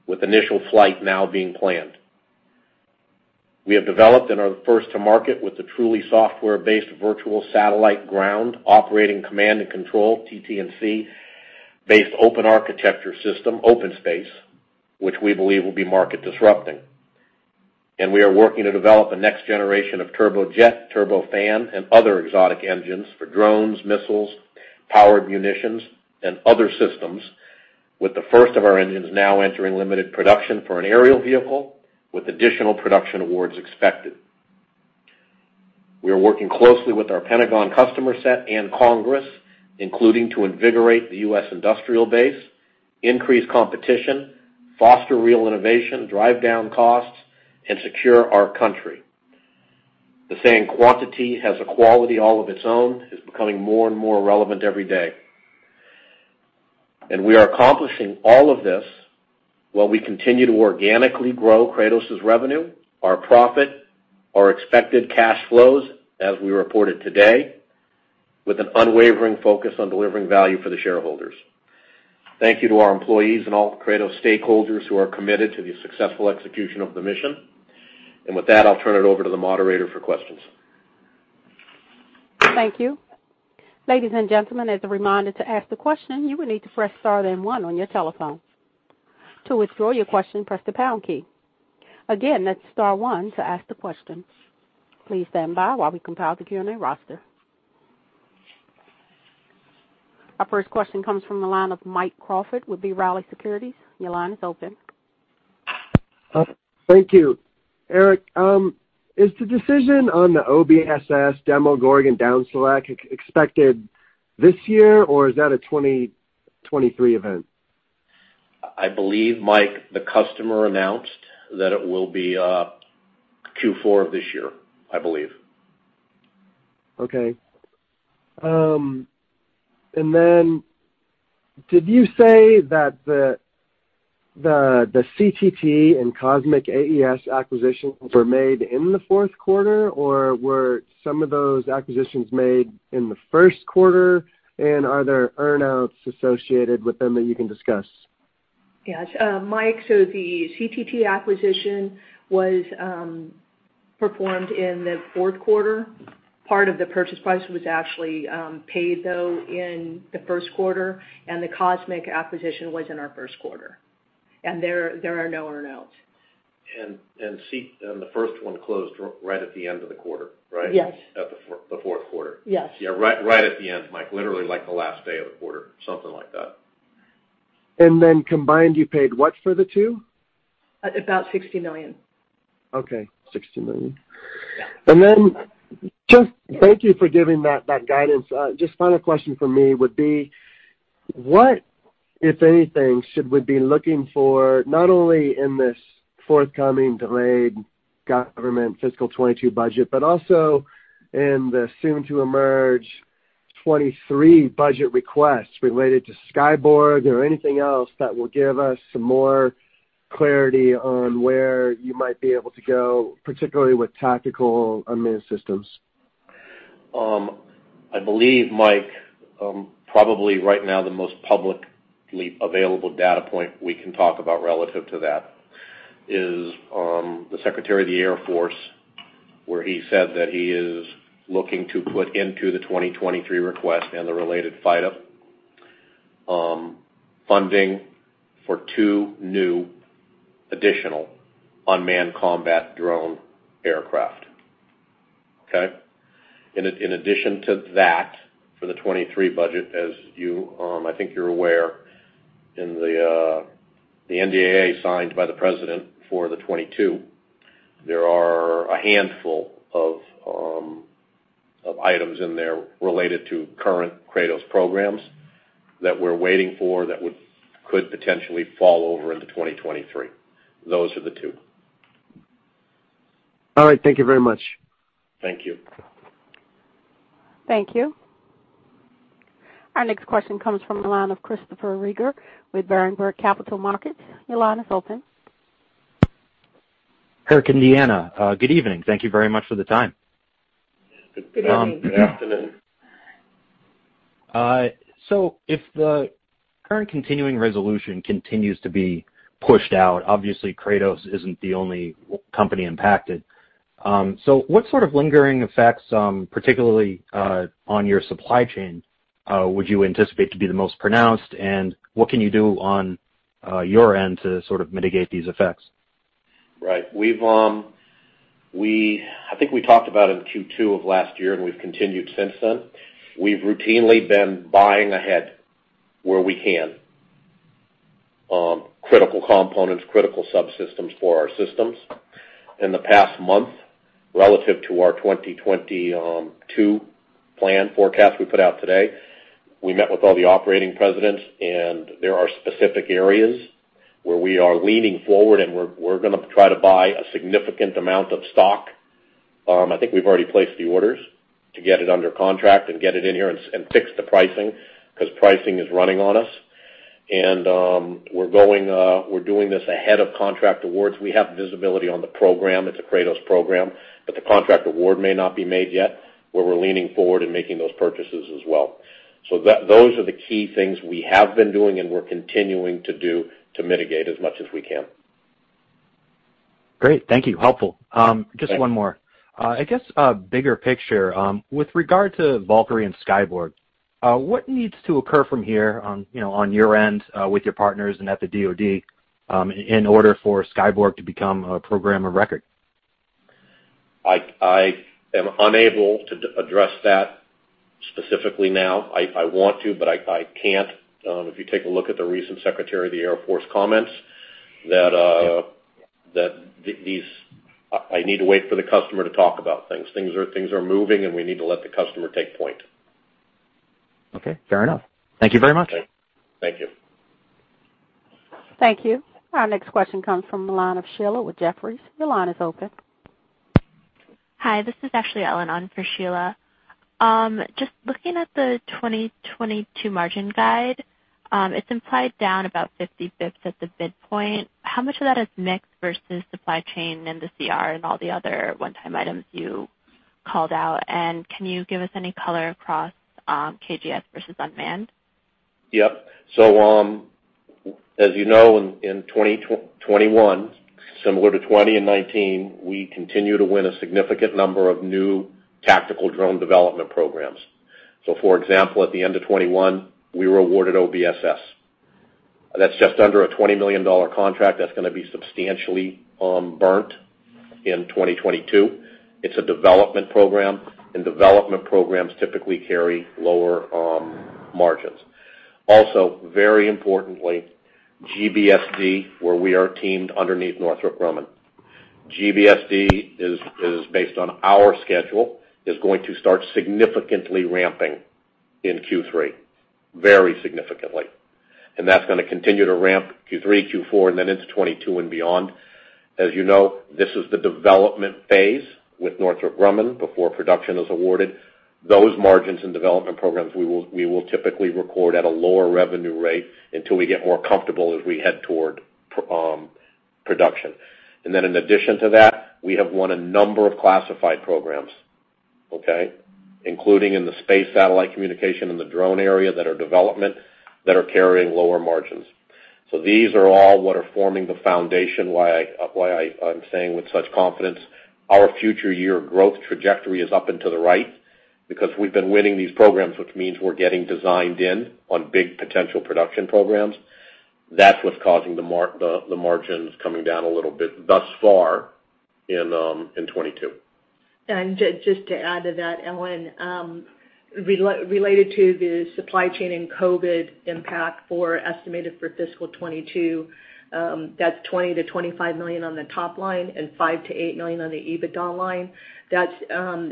with initial flight now being planned. We have developed and are first to market with a truly software-based virtual satellite ground operating command and control, TT&C-based open architecture system, OpenSpace, which we believe will be market disrupting. We are working to develop a next generation of turbo jet, turbo fan, and other exotic engines for drones, missiles, powered munitions, and other systems with the first of our engines now entering limited production for an aerial vehicle with additional production awards expected. We are working closely with our Pentagon customer set and Congress, including to invigorate the U.S. industrial base, increase competition, foster real innovation, drive down costs, and secure our country. The saying quantity has a quality all of its own is becoming more and more relevant every day. We are accomplishing all of this while we continue to organically grow Kratos' revenue, our profit, our expected cash flows as we reported today, with an unwavering focus on delivering value for the shareholders. Thank you to our employees and all Kratos stakeholders who are committed to the successful execution of the mission. With that, I'll turn it over to the moderator for questions. Thank you. Ladies and gentlemen, as a reminder, to ask the question, you will need to press star then one on your telephone. To withdraw your question, press the pound key. Again, that's star one to ask the question. Please stand by while we compile the Q&A roster. Our first question comes from the line of Mike Crawford with B. Riley Securities. Your line is open. Thank you. Eric, is the decision on the OBSS demo going and down select expected this year, or is that a 2023 event? I believe, Mike, the customer announced that it will be Q4 of this year, I believe. Okay. Did you say that the CTT and Cosmic AES acquisitions were made in the fourth quarter, or were some of those acquisitions made in the first quarter? Are there earn-outs associated with them that you can discuss? Yes. Mike, the CTT acquisition was performed in the fourth quarter. Part of the purchase price was actually paid though in the first quarter, the Cosmic acquisition was in our first quarter. There are no earn outs. The first one closed right at the end of the quarter, right? Yes. At the fourth quarter. Yes. Yeah, right at the end, Mike. Literally like the last day of the quarter, something like that. Combined, you paid what for the two? About $60 million. Okay. $60 million. Yeah. Just thank you for giving that guidance. Just final question from me would be what, if anything, should we be looking for not only in this forthcoming delayed government fiscal 2022 budget, but also in the soon to emerge 2023 budget requests related to Skyborg or anything else that will give us some more clarity on where you might be able to go, particularly with tactical unmanned systems. I believe, Mike, probably right now the most publicly available data point we can talk about relative to that is the Secretary of the Air Force, where he said that he is looking to put into the 2023 request and the related FYDP, funding for two new additional unmanned combat drone aircraft. In addition to that, for the 2023 budget, as you, I think you're aware in the NDAA signed by the president for the 2022, there are a handful of items in there related to current Kratos programs that we're waiting for that could potentially fall over into 2023. Those are the two. All right. Thank you very much. Thank you. Thank you. Our next question comes from the line of Christopher Rieger with Berenberg Capital Markets. Your line is open. Eric and Deanna, good evening. Thank you very much for the time. Good evening. Good afternoon. If the current Continuing Resolution continues to be pushed out, obviously Kratos isn't the only company impacted. What sort of lingering effects, particularly on your supply chain, would you anticipate to be the most pronounced, and what can you do on your end to sort of mitigate these effects? Right. We've I think we talked about in Q2 of last year, and we've continued since then. We've routinely been buying ahead where we can, critical components, critical subsystems for our systems. In the past month, relative to our 2022 plan forecast we put out today, we met with all the operating presidents, and there are specific areas where we are leaning forward, and we're gonna try to buy a significant amount of stock. I think we've already placed the orders to get it under contract and get it in here and and fix the pricing because pricing is running on us. We're doing this ahead of contract awards. We have visibility on the program. It's a Kratos program, but the contract award may not be made yet, where we're leaning forward and making those purchases as well. Those are the key things we have been doing and we're continuing to do to mitigate as much as we can. Great. Thank you. Helpful. Just one more. Yeah. I guess a bigger picture. With regard to Valkyrie and Skyborg, what needs to occur from here on, you know, on your end, with your partners and at the DoD, in order for Skyborg to become a program of record? I am unable to address that specifically now. I want to, but I can't. If you take a look at the recent Secretary of the Air Force comments, I need to wait for the customer to talk about things. Things are moving, and we need to let the customer take point. Okay. Fair enough. Thank you very much. Okay. Thank you. Thank you. Our next question comes from the line of Sheila with Jefferies. Your line is open. Hi, this is actually Ellen on for Sheila. Just looking at the 2022 margin guide, it's implied down about 50 basis points at the midpoint. How much of that is mix versus supply chain and the CR and all the other one-time items you called out? Can you give us any color across KGS versus unmanned? As you know, in 2021, similar to 2020 and 2019, we continue to win a significant number of new tactical drone development programs. For example, at the end of 2021, we were awarded OBSS. That's just under a $20 million contract that's gonna be substantially burned in 2022. It's a development program, and development programs typically carry lower margins. Also, very importantly, GBSD, where we are teamed underneath Northrop Grumman. GBSD is based on our schedule is going to start significantly ramping in Q3, very significantly. That's gonna continue to ramp Q3, Q4, and then into 2022 and beyond. As you know, this is the development phase with Northrop Grumman before production is awarded. Those margins and development programs, we will typically record at a lower revenue rate until we get more comfortable as we head toward production. In addition to that, we have won a number of classified programs, okay, including in the space satellite communication in the drone area that are development that are carrying lower margins. These are all what are forming the foundation why I'm saying with such confidence our future year growth trajectory is up and to the right because we've been winning these programs, which means we're getting designed in on big potential production programs. That's what's causing the margins coming down a little bit thus far in 2022. Just to add to that, Ellen, related to the supply chain and COVID impact estimated for fiscal 2022, that's $20 million-$25 million on the top line and $5 million-$8 million on the EBITDA line. That's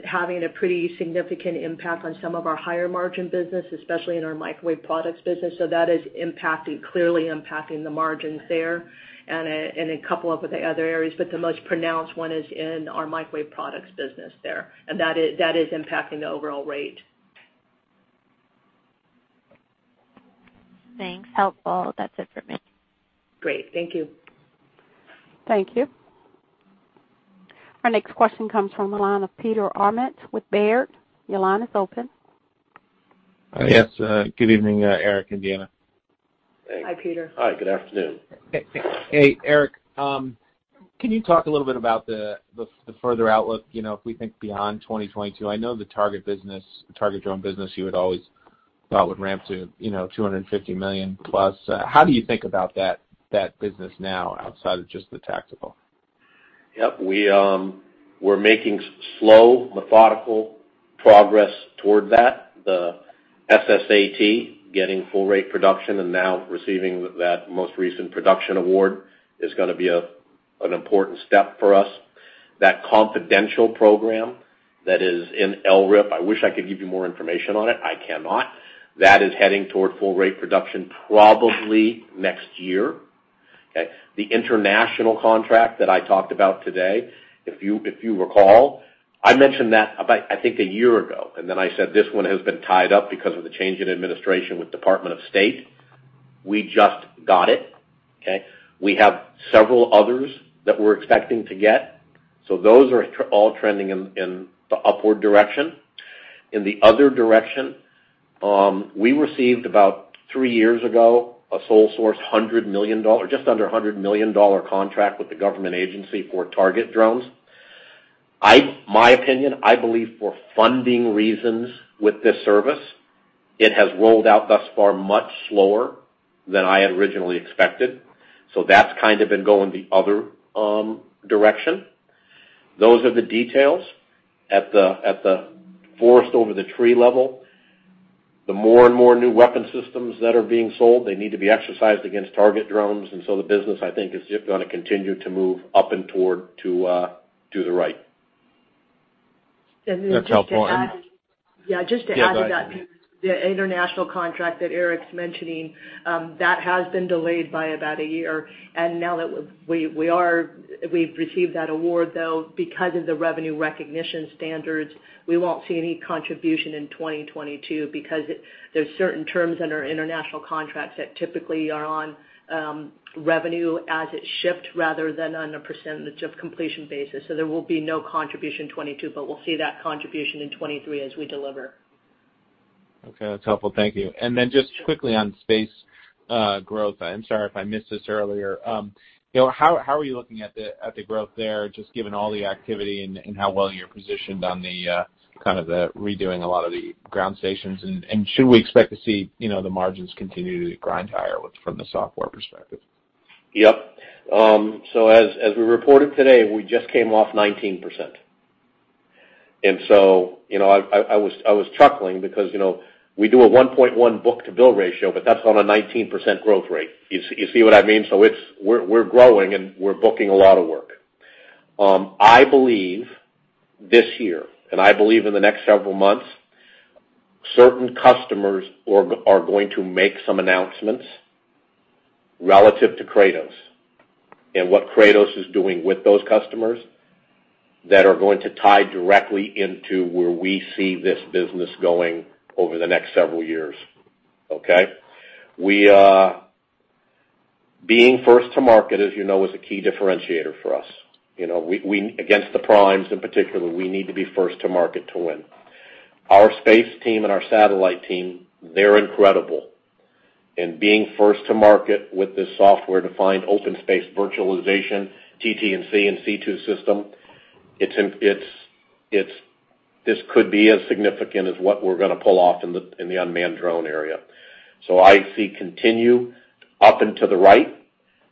having a pretty significant impact on some of our higher margin business, especially in our microwave products business. That is impacting the margins there and a couple of the other areas. The most pronounced one is in our microwave products business there. That is impacting the overall rate. Thanks. Helpful. That's it for me. Great. Thank you. Thank you. Our next question comes from the line of Peter Arment with Baird. Your line is open. Yes. Good evening, Eric and Deanna. Hi, Peter. Hi, good afternoon. Hey, Eric, can you talk a little bit about the further outlook, you know, if we think beyond 2022? I know the target drone business you had always thought would ramp to, you know, $250 million plus. How do you think about that business now outside of just the tactical? Yep. We're making slow, methodical progress toward that. The SSAT getting full rate production and now receiving that most recent production award is gonna be an important step for us. That confidential program that is in LRIP, I wish I could give you more information on it. I cannot. That is heading toward full rate production probably next year. Okay. The international contract that I talked about today, if you recall, I mentioned that about, I think, a year ago, and then I said this one has been tied up because of the change in administration with Department of State. We just got it. Okay. We have several others that we're expecting to get. Those are all trending in the upward direction. In the other direction, we received about three years ago a sole source, just under $100 million contract with the government agency for target drones. In my opinion, I believe for funding reasons with this service, it has rolled out thus far much slower than I had originally expected. That's kind of been going the other direction. Those are the details at the forest-for-the-trees level. The more and more new weapon systems that are being sold, they need to be exercised against target drones. The business, I think, is just gonna continue to move up and to the right. That's helpful. Just to add. Yeah, just to add to that. Yeah, go ahead. The international contract that Eric's mentioning that has been delayed by about a year. Now that we've received that award, though, because of the revenue recognition standards, we won't see any contribution in 2022 because there's certain terms in our international contracts that typically are on revenue as it's shipped rather than on a percentage of completion basis. There will be no contribution 2022, but we'll see that contribution in 2023 as we deliver. Okay, that's helpful. Thank you. Just quickly on space growth. I'm sorry if I missed this earlier. You know, how are you looking at the growth there, just given all the activity and how well you're positioned on the kind of redoing a lot of the ground stations? Should we expect to see, you know, the margins continue to grind higher with from the software perspective? Yep. As we reported today, we just came off 19%. You know, I was chuckling because, you know, we do a 1.1 book-to-bill ratio, but that's on a 19% growth rate. You see what I mean? We're growing, and we're booking a lot of work. I believe this year, and I believe in the next several months, certain customers are going to make some announcements relative to Kratos and what Kratos is doing with those customers that are going to tie directly into where we see this business going over the next several years. Okay. Being first to market, as you know, is a key differentiator for us. You know, against the primes in particular, we need to be first to market to win. Our space team and our satellite team, they're incredible. Being first to market with this software-defined open space virtualization, TT&C, and C2 system, this could be as significant as what we're gonna pull off in the unmanned drone area. I see it continue up and to the right.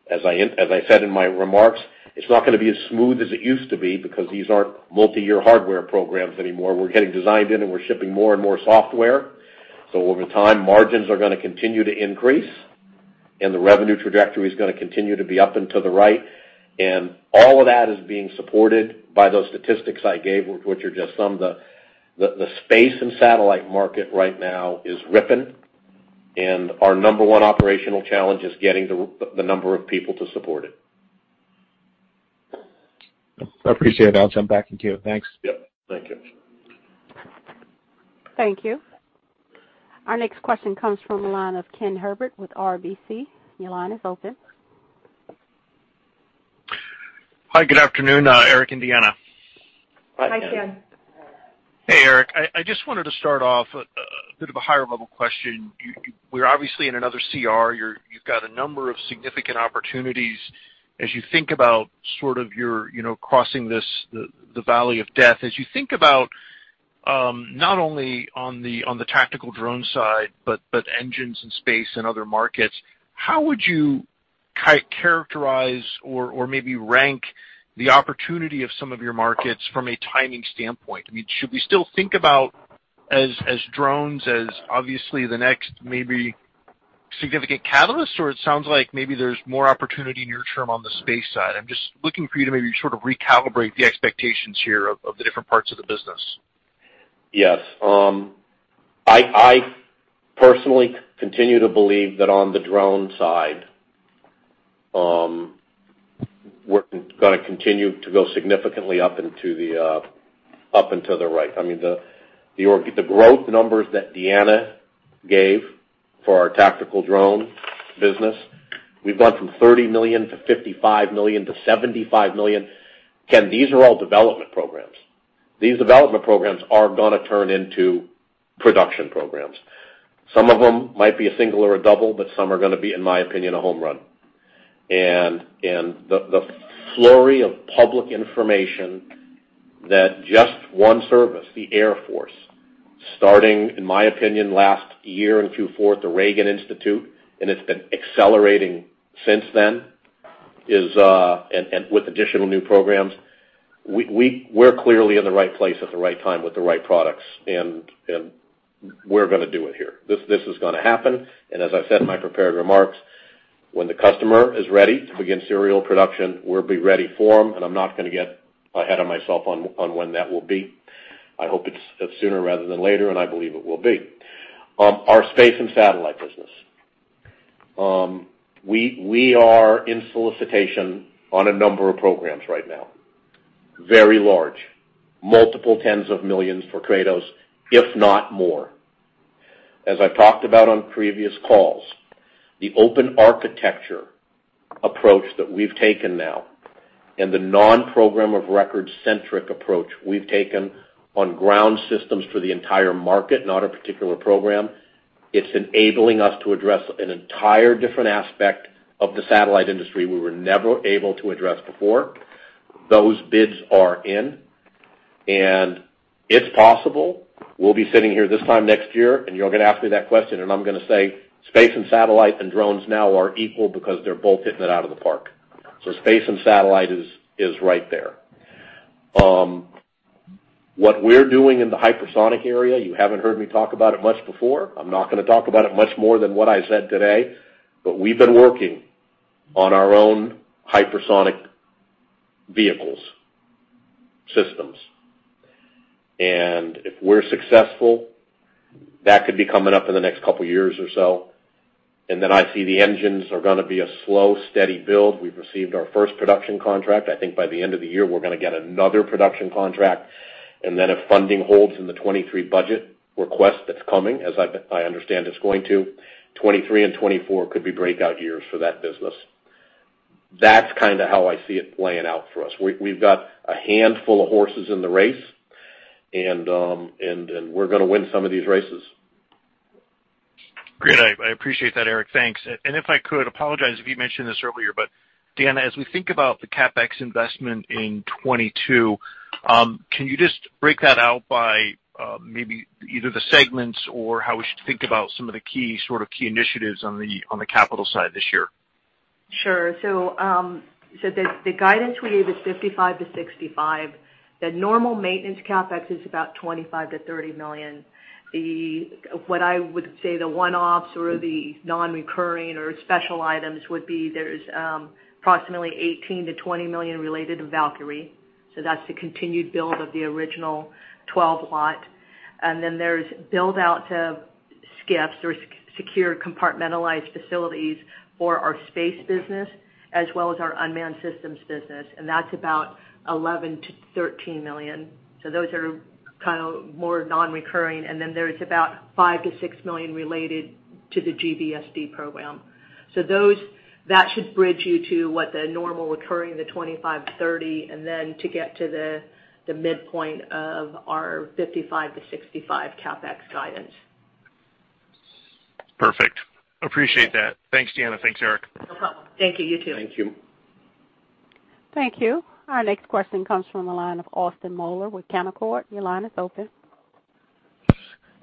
As I said in my remarks, it's not gonna be as smooth as it used to be because these aren't multi-year hardware programs anymore. We're getting designed in, and we're shipping more and more software. Over time, margins are gonna continue to increase, and the revenue trajectory is gonna continue to be up and to the right. All of that is being supported by those statistics I gave, which are just some of the space and satellite market right now is ripping, and our number one operational challenge is getting the number of people to support it. I appreciate it, Eric. I'm back in queue. Thanks. Yep. Thank you. Thank you. Our next question comes from the line of Ken Herbert with RBC. Your line is open. Hi, good afternoon, Eric and Deanna. Hi, Ken. Hi, Ken. Hey, Eric. I just wanted to start off a bit of a higher level question. We're obviously in another CR. You've got a number of significant opportunities. As you think about sort of your, you know, crossing this, the valley of death. As you think about not only on the tactical drone side, but engines and space and other markets, how would you characterize or maybe rank the opportunity of some of your markets from a timing standpoint? I mean, should we still think about drones as obviously the next maybe significant catalyst, or it sounds like maybe there's more opportunity near term on the space side. I'm just looking for you to maybe sort of recalibrate the expectations here of the different parts of the business. Yes. I personally continue to believe that on the drone side, we're gonna continue to go significantly up into the up and to the right. I mean, the growth numbers that Deanna gave for our tactical drone business, we've gone from $30 million to $55 million to $75 million. Ken, these are all development programs. These development programs are gonna turn into production programs. Some of them might be a single or a double, but some are gonna be, in my opinion, a home run. The flurry of public information that just one service, the Air Force, starting, in my opinion, last year and through the Reagan Institute, and it's been accelerating since then, is, and with additional new programs, we're clearly in the right place at the right time with the right products, and we're gonna do it here. This is gonna happen. As I said in my prepared remarks, when the customer is ready to begin serial production, we'll be ready for them. I'm not gonna get ahead of myself on when that will be. I hope it's sooner rather than later, and I believe it will be. Our space and satellite business. We are in solicitation on a number of programs right now, very large, multiple tens of millions for Kratos, if not more. As I've talked about on previous calls, the open architecture approach that we've taken now and the non-program of record-centric approach we've taken on ground systems for the entire market, not a particular program. It's enabling us to address an entire different aspect of the satellite industry we were never able to address before. Those bids are in, and it's possible we'll be sitting here this time next year, and you're gonna ask me that question, and I'm gonna say space and satellite and drones now are equal because they're both hitting it out of the park. Space and satellite is right there. What we're doing in the hypersonic area, you haven't heard me talk about it much before. I'm not gonna talk about it much more than what I said today, but we've been working on our own hypersonic vehicles systems. If we're successful, that could be coming up in the next couple years or so. I see the engines are gonna be a slow, steady build. We've received our first production contract. I think by the end of the year, we're gonna get another production contract, and then if funding holds in the 2023 budget request that's coming, as I understand it's going to, 2023 and 2024 could be breakout years for that business. That's kinda how I see it playing out for us. We've got a handful of horses in the race and we're gonna win some of these races. Great. I appreciate that, Eric. Thanks. If I could apologize if you mentioned this earlier, but Deanna, as we think about the CapEx investment in 2022, can you just break that out by, maybe either the segments or how we should think about some of the key initiatives on the capital side this year? Sure. The guidance we gave is $55 million-$65 million. The normal maintenance CapEx is about $25 million-$30 million. What I would say the one-offs or the non-recurring or special items would be there's approximately $18 million-$20 million related to Valkyrie, so that's the continued build of the original 12 lot. Then there's build-out to SCIFs or secure compartmentalized facilities for our space business as well as our unmanned systems business, and that's about $11 million-$13 million. Those are kind of more non-recurring. Then there's about $5 million-$6 million related to the GBSD program. That should bridge you to what the normal recurring, the $25 million-$30 million, and then to get to the midpoint of our $55 million-$65 million CapEx guidance. Perfect. Appreciate that. Thanks, Deanna. Thanks, Eric. No problem. Thank you too. Thank you. Thank you. Our next question comes from the line of Austin Moeller with Canaccord. Your line is open.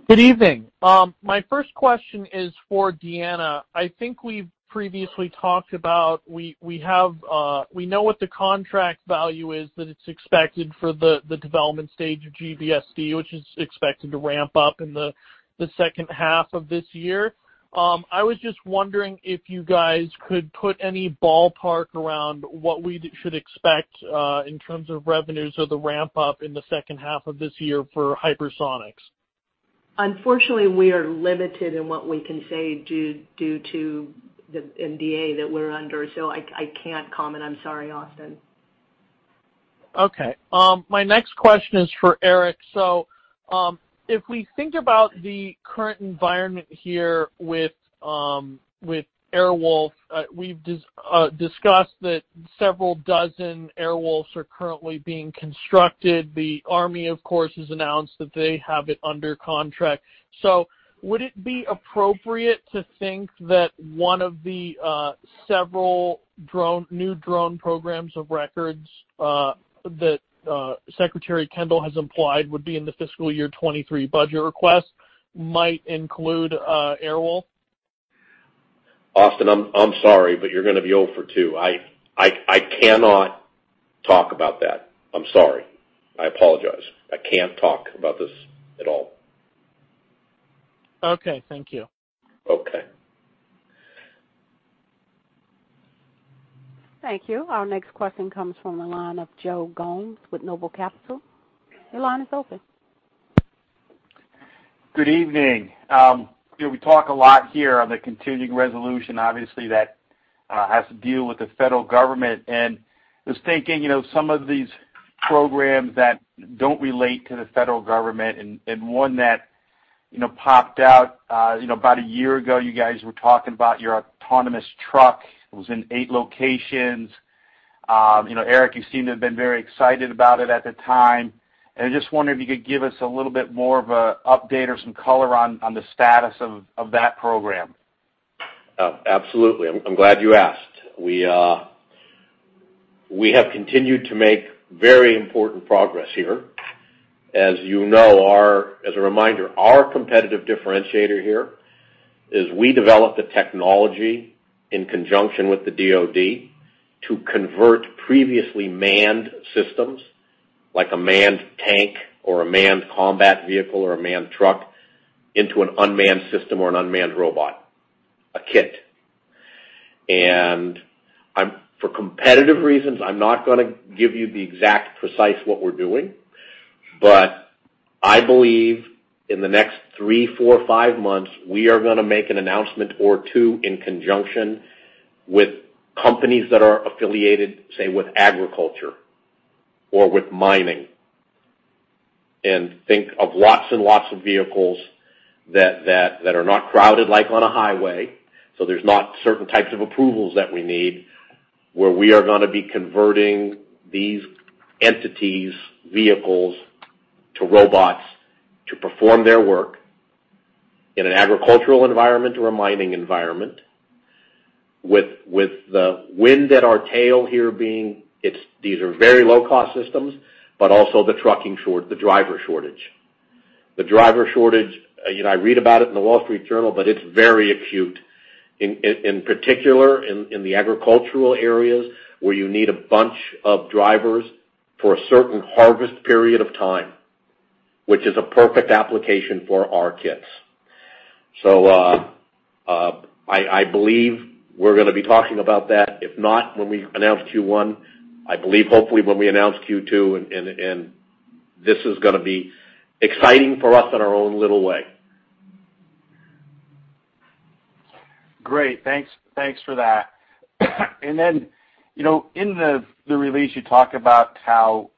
Good evening. My first question is for Deanna. I think we've previously talked about we know what the contract value is that it's expected for the development stage of GBSD, which is expected to ramp up in the second half of this year. I was just wondering if you guys could put any ballpark around what we should expect in terms of revenues or the ramp up in the second half of this year for hypersonics. Unfortunately, we are limited in what we can say due to the NDA that we're under, so I can't comment. I'm sorry, Austin. Okay. My next question is for Eric. If we think about the current environment here with Airwolf, we've discussed that several dozen Airwolfs are currently being constructed. The Army, of course, has announced that they have it under contract. Would it be appropriate to think that one of the several new drone programs of record that Secretary Kendall has implied would be in the fiscal year 2023 budget request might include Airwolf? Austin, I'm sorry, but you're gonna be O for 2. I cannot talk about that. I'm sorry. I apologize. I can't talk about this at all. Okay, thank you. Okay. Thank you. Our next question comes from the line of Joe Gomes with Noble Capital. Your line is open. Good evening. You know, we talk a lot here on the Continuing Resolution, obviously, that has to deal with the federal government. I was thinking, you know, some of these programs that don't relate to the federal government and one that, you know, popped out, you know, about a year ago, you guys were talking about your autonomous truck. It was in 8 locations. You know, Eric, you seem to have been very excited about it at the time. I just wondered if you could give us a little bit more of an update or some color on the status of that program. Absolutely. I'm glad you asked. We have continued to make very important progress here. As you know, as a reminder, our competitive differentiator here is we developed the technology in conjunction with the DoD to convert previously manned systems, like a manned tank or a manned combat vehicle or a manned truck, into an unmanned system or an unmanned robot, a kit. For competitive reasons, I'm not gonna give you the exact precise what we're doing, but I believe in the next 3, 4, 5 months, we are gonna make an announcement or two in conjunction with companies that are affiliated, say, with agriculture or with mining. Think of lots and lots of vehicles that are not crowded like on a highway, so there's not certain types of approvals that we need. Where we are gonna be converting these entities, vehicles to robots to perform their work in an agricultural environment or a mining environment with the wind at our tail here being these are very low-cost systems, but also the driver shortage. The driver shortage, you know, I read about it in The Wall Street Journal, but it's very acute, in particular, in the agricultural areas where you need a bunch of drivers for a certain harvest period of time, which is a perfect application for our kits. I believe we're gonna be talking about that, if not when we announce Q1, I believe, hopefully when we announce Q2, and this is gonna be exciting for us in our own little way. Great. Thanks. Thanks for that. In the release you talk about how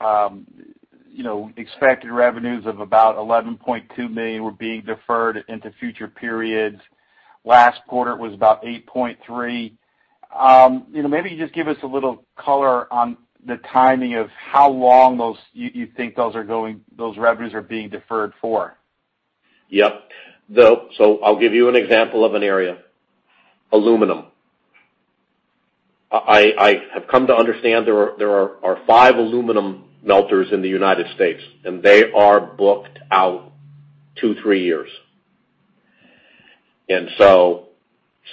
expected revenues of about $11.2 million were being deferred into future periods. Last quarter was about $8.3 million. Maybe just give us a little color on the timing of how long you think those revenues are being deferred for. Yep. I'll give you an example of an area. Aluminum. I have come to understand there are 5 aluminum melters in the United States, and they are booked out 2-3 years.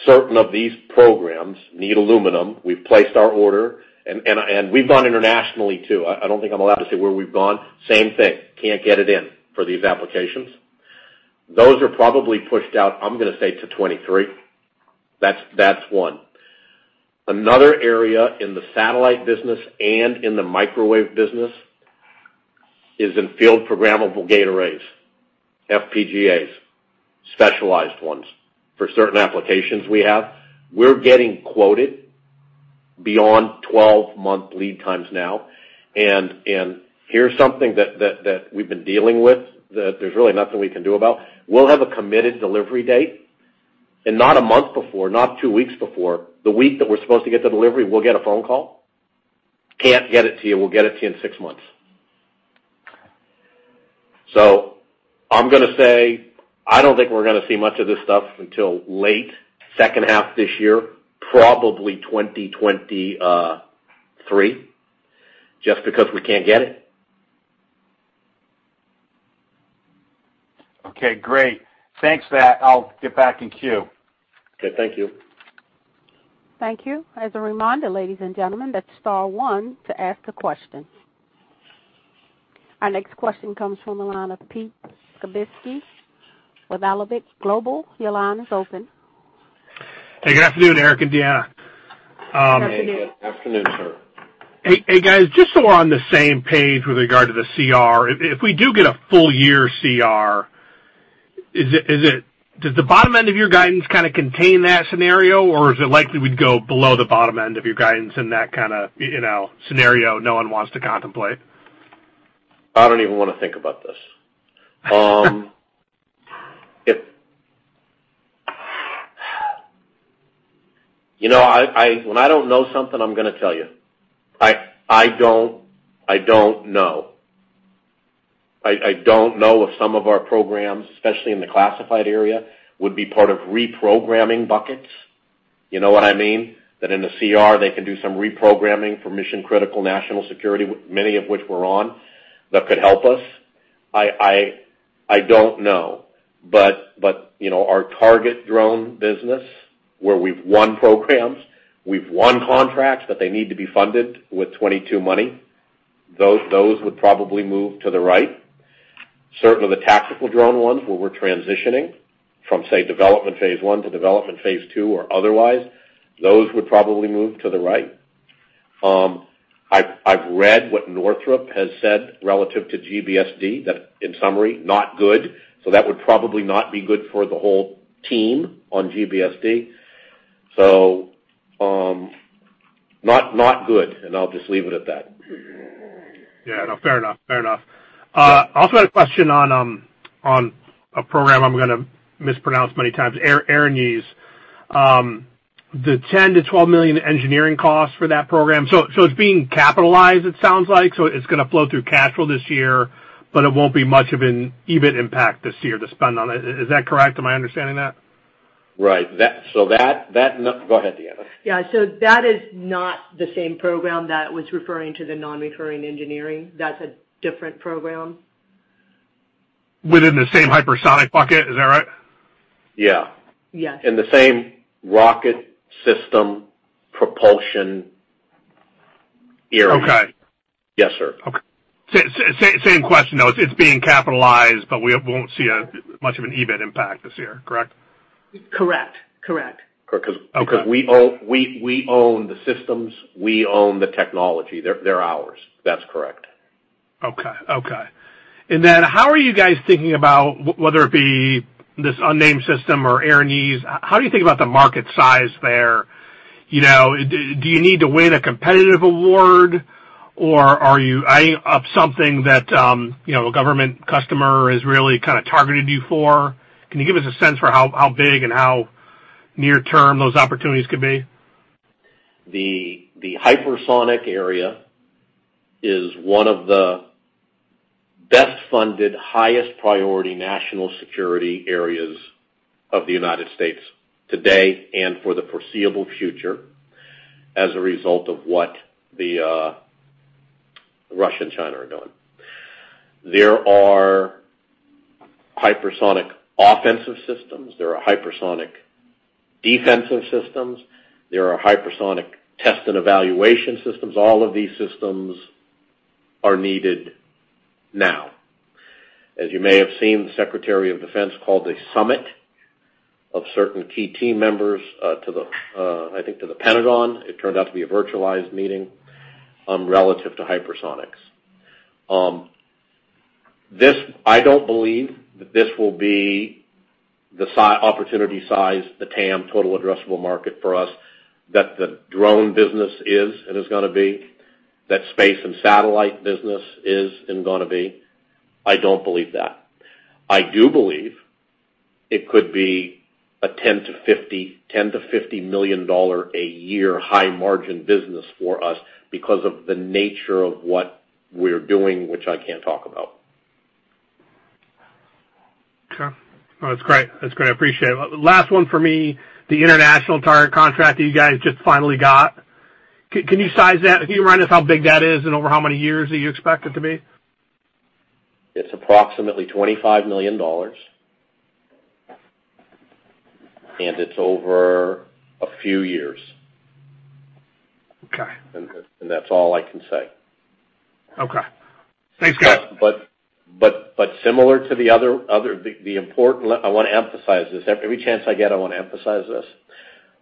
Certain of these programs need aluminum. We've placed our order and we've gone internationally too. I don't think I'm allowed to say where we've gone. Same thing. Can't get it in for these applications. Those are probably pushed out, I'm gonna say, to 2023. That's one. Another area in the satellite business and in the microwave business is in field programmable gate arrays, FPGAs, specialized ones for certain applications we have. We're getting quoted beyond 12-month lead times now. Here's something that we've been dealing with that there's really nothing we can do about. We'll have a committed delivery date, and not a month before, not two weeks before, the week that we're supposed to get the delivery, we'll get a phone call. Can't get it to you. We'll get it to you in six months. I'm gonna say I don't think we're gonna see much of this stuff until late second half this year, probably 2023, just because we can't get it. Okay, great. Thanks for that. I'll get back in queue. Okay. Thank you. Thank you. As a reminder, ladies and gentlemen, that's star one to ask a question. Our next question comes from the line of Pete Skibitski with Alembic Global. Your line is open. Hey, good afternoon, Eric and Deanna. Hey. Good afternoon, sir. Hey guys, just so we're on the same page with regard to the CR, if we do get a full year CR, does the bottom end of your guidance kinda contain that scenario, or is it likely we'd go below the bottom end of your guidance in that kinda, you know, scenario no one wants to contemplate? I don't even wanna think about this. You know, when I don't know something, I'm gonna tell you. I don't know. I don't know if some of our programs, especially in the classified area, would be part of reprogramming buckets. You know what I mean? That in the CR, they can do some reprogramming for mission-critical national security, many of which we're on, that could help us. I don't know. You know, our target drone business where we've won programs, we've won contracts, but they need to be funded with 2022 money, those would probably move to the right. Certain of the tactical drone ones where we're transitioning from, say, development phase one to development phase two or otherwise, those would probably move to the right. I've read what Northrop has said relative to GBSD, that in summary, not good. That would probably not be good for the whole team on GBSD. Not good, and I'll just leave it at that. Yeah, no, fair enough. Also had a question on a program I'm gonna mispronounce many times, Erinys. The $10 million-$12 million engineering costs for that program. It's being capitalized, it sounds like, so it's gonna flow through cash flow this year, but it won't be much of an EBIT impact this year to spend on it. Is that correct? Am I understanding that? Right. Go ahead, Deanna. Yeah. That is not the same program that was referring to the non-recurring engineering. That's a different program. Within the same hypersonic bucket, is that right? Yeah. Yes. In the same rocket system propulsion area. Okay. Yes, sir. Okay. Same question, though. It's being capitalized, but we won't see much of an EBIT impact this year, correct? Correct. Correct. Correct. Okay. 'Cause we own the systems, we own the technology. They're ours. That's correct. Okay. How are you guys thinking about, whether it be this unnamed system or Erinys, how do you think about the market size there? You know, do you need to win a competitive award? Or are you eyeing up something that, you know, a government customer has really kind of targeted you for? Can you give us a sense for how big and how near-term those opportunities could be? The hypersonic area is one of the best funded, highest priority national security areas of the United States today and for the foreseeable future as a result of what Russia and China are doing. There are hypersonic offensive systems, there are hypersonic defensive systems, there are hypersonic test and evaluation systems. All of these systems are needed now. As you may have seen, the Secretary of Defense called a summit of certain key team members to the Pentagon. I think it turned out to be a virtualized meeting relative to hypersonics. I don't believe that this will be the opportunity size, the TAM, Total Addressable Market, for us that the drone business is and is gonna be, that space and satellite business is and gonna be. I don't believe that. I do believe it could be a $10 million-$50 million a year high margin business for us because of the nature of what we're doing, which I can't talk about. Okay. No, that's great. That's great, I appreciate it. Last one for me, the international target contract that you guys just finally got. Can you size that? Can you remind us how big that is and over how many years are you expect it to be? It's approximately $25 million. It's over a few years. Okay. That's all I can say. Okay. Thanks, guys. Similar to the other. The important, I wanna emphasize this. Every chance I get, I wanna emphasize this.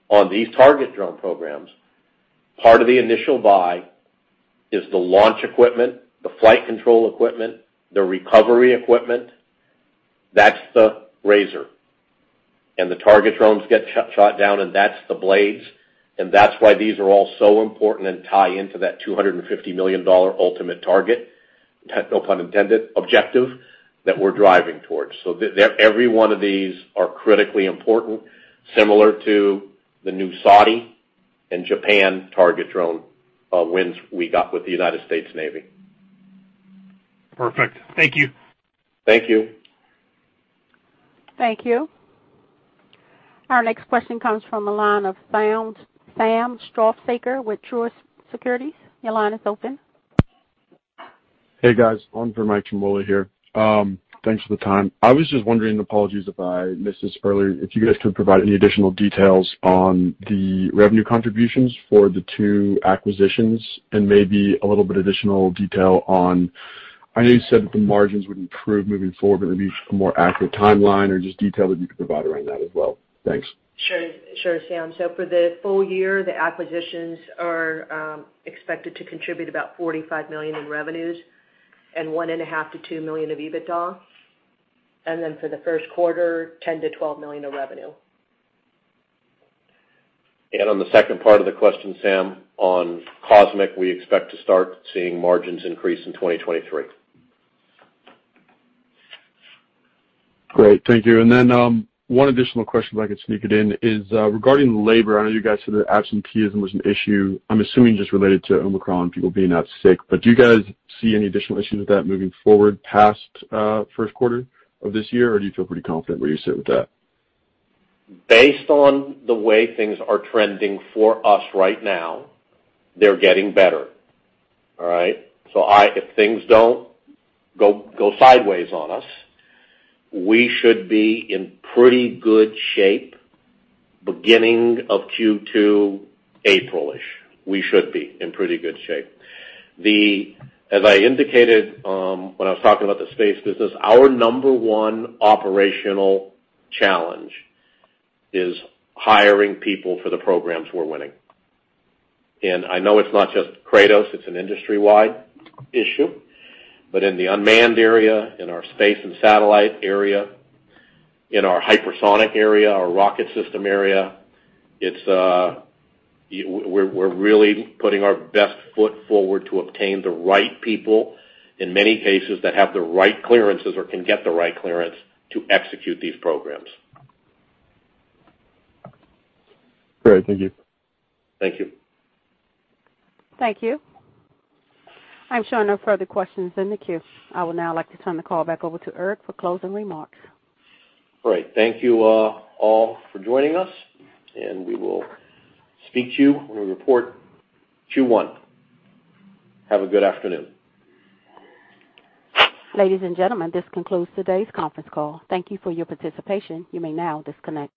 On these target drone programs, part of the initial buy is the launch equipment, the flight control equipment, the recovery equipment. That's the Razor. And the target drones get shot down, and that's the Blades. And that's why these are all so important and tie into that $250 million ultimate target, no pun intended, objective that we're driving towards. Every one of these are critically important, similar to the new Saudi and Japan target drone wins we got with the United States Navy. Perfect. Thank you. Thank you. Thank you. Our next question comes from the line of Sam, Samuel Struhsaker with Truist Securities. Your line is open. Hey, guys. This is Mike Ciarmoli here. Thanks for the time. I was just wondering, apologies if I missed this earlier, if you guys could provide any additional details on the revenue contributions for the two acquisitions and maybe a little bit additional detail on. I know you said that the margins would improve moving forward, but maybe a more accurate timeline or just detail that you could provide around that as well. Thanks. Sure, Sam. For the full year, the acquisitions are expected to contribute about $45 million in revenues and $1.5-$2 million of EBITDA. For the first quarter, $10-$12 million of revenue. On the second part of the question, Sam, on Cosmic, we expect to start seeing margins increase in 2023. Great. Thank you. One additional question if I could sneak it in is, regarding labor. I know you guys said that absenteeism was an issue. I'm assuming just related to Omicron, people being out sick. But do you guys see any additional issues with that moving forward past, first quarter of this year? Or do you feel pretty confident where you sit with that? Based on the way things are trending for us right now, they're getting better. All right? I-- if things don't go sideways on us, we should be in pretty good shape beginning of Q2, April-ish. We should be in pretty good shape. As I indicated, when I was talking about the space business, our number one operational challenge is hiring people for the programs we're winning. I know it's not just Kratos, it's an industry-wide issue, but in the unmanned area, in our space and satellite area, in our hypersonic area, our rocket system area, it's, we're really putting our best foot forward to obtain the right people, in many cases that have the right clearances or can get the right clearance to execute these programs. Great. Thank you. Thank you. Thank you. I'm showing no further questions in the queue. I would now like to turn the call back over to Eric for closing remarks. All right. Thank you, all for joining us, and we will speak to you when we report Q1. Have a good afternoon. Ladies and gentlemen, this concludes today's conference call. Thank you for your participation. You may now disconnect.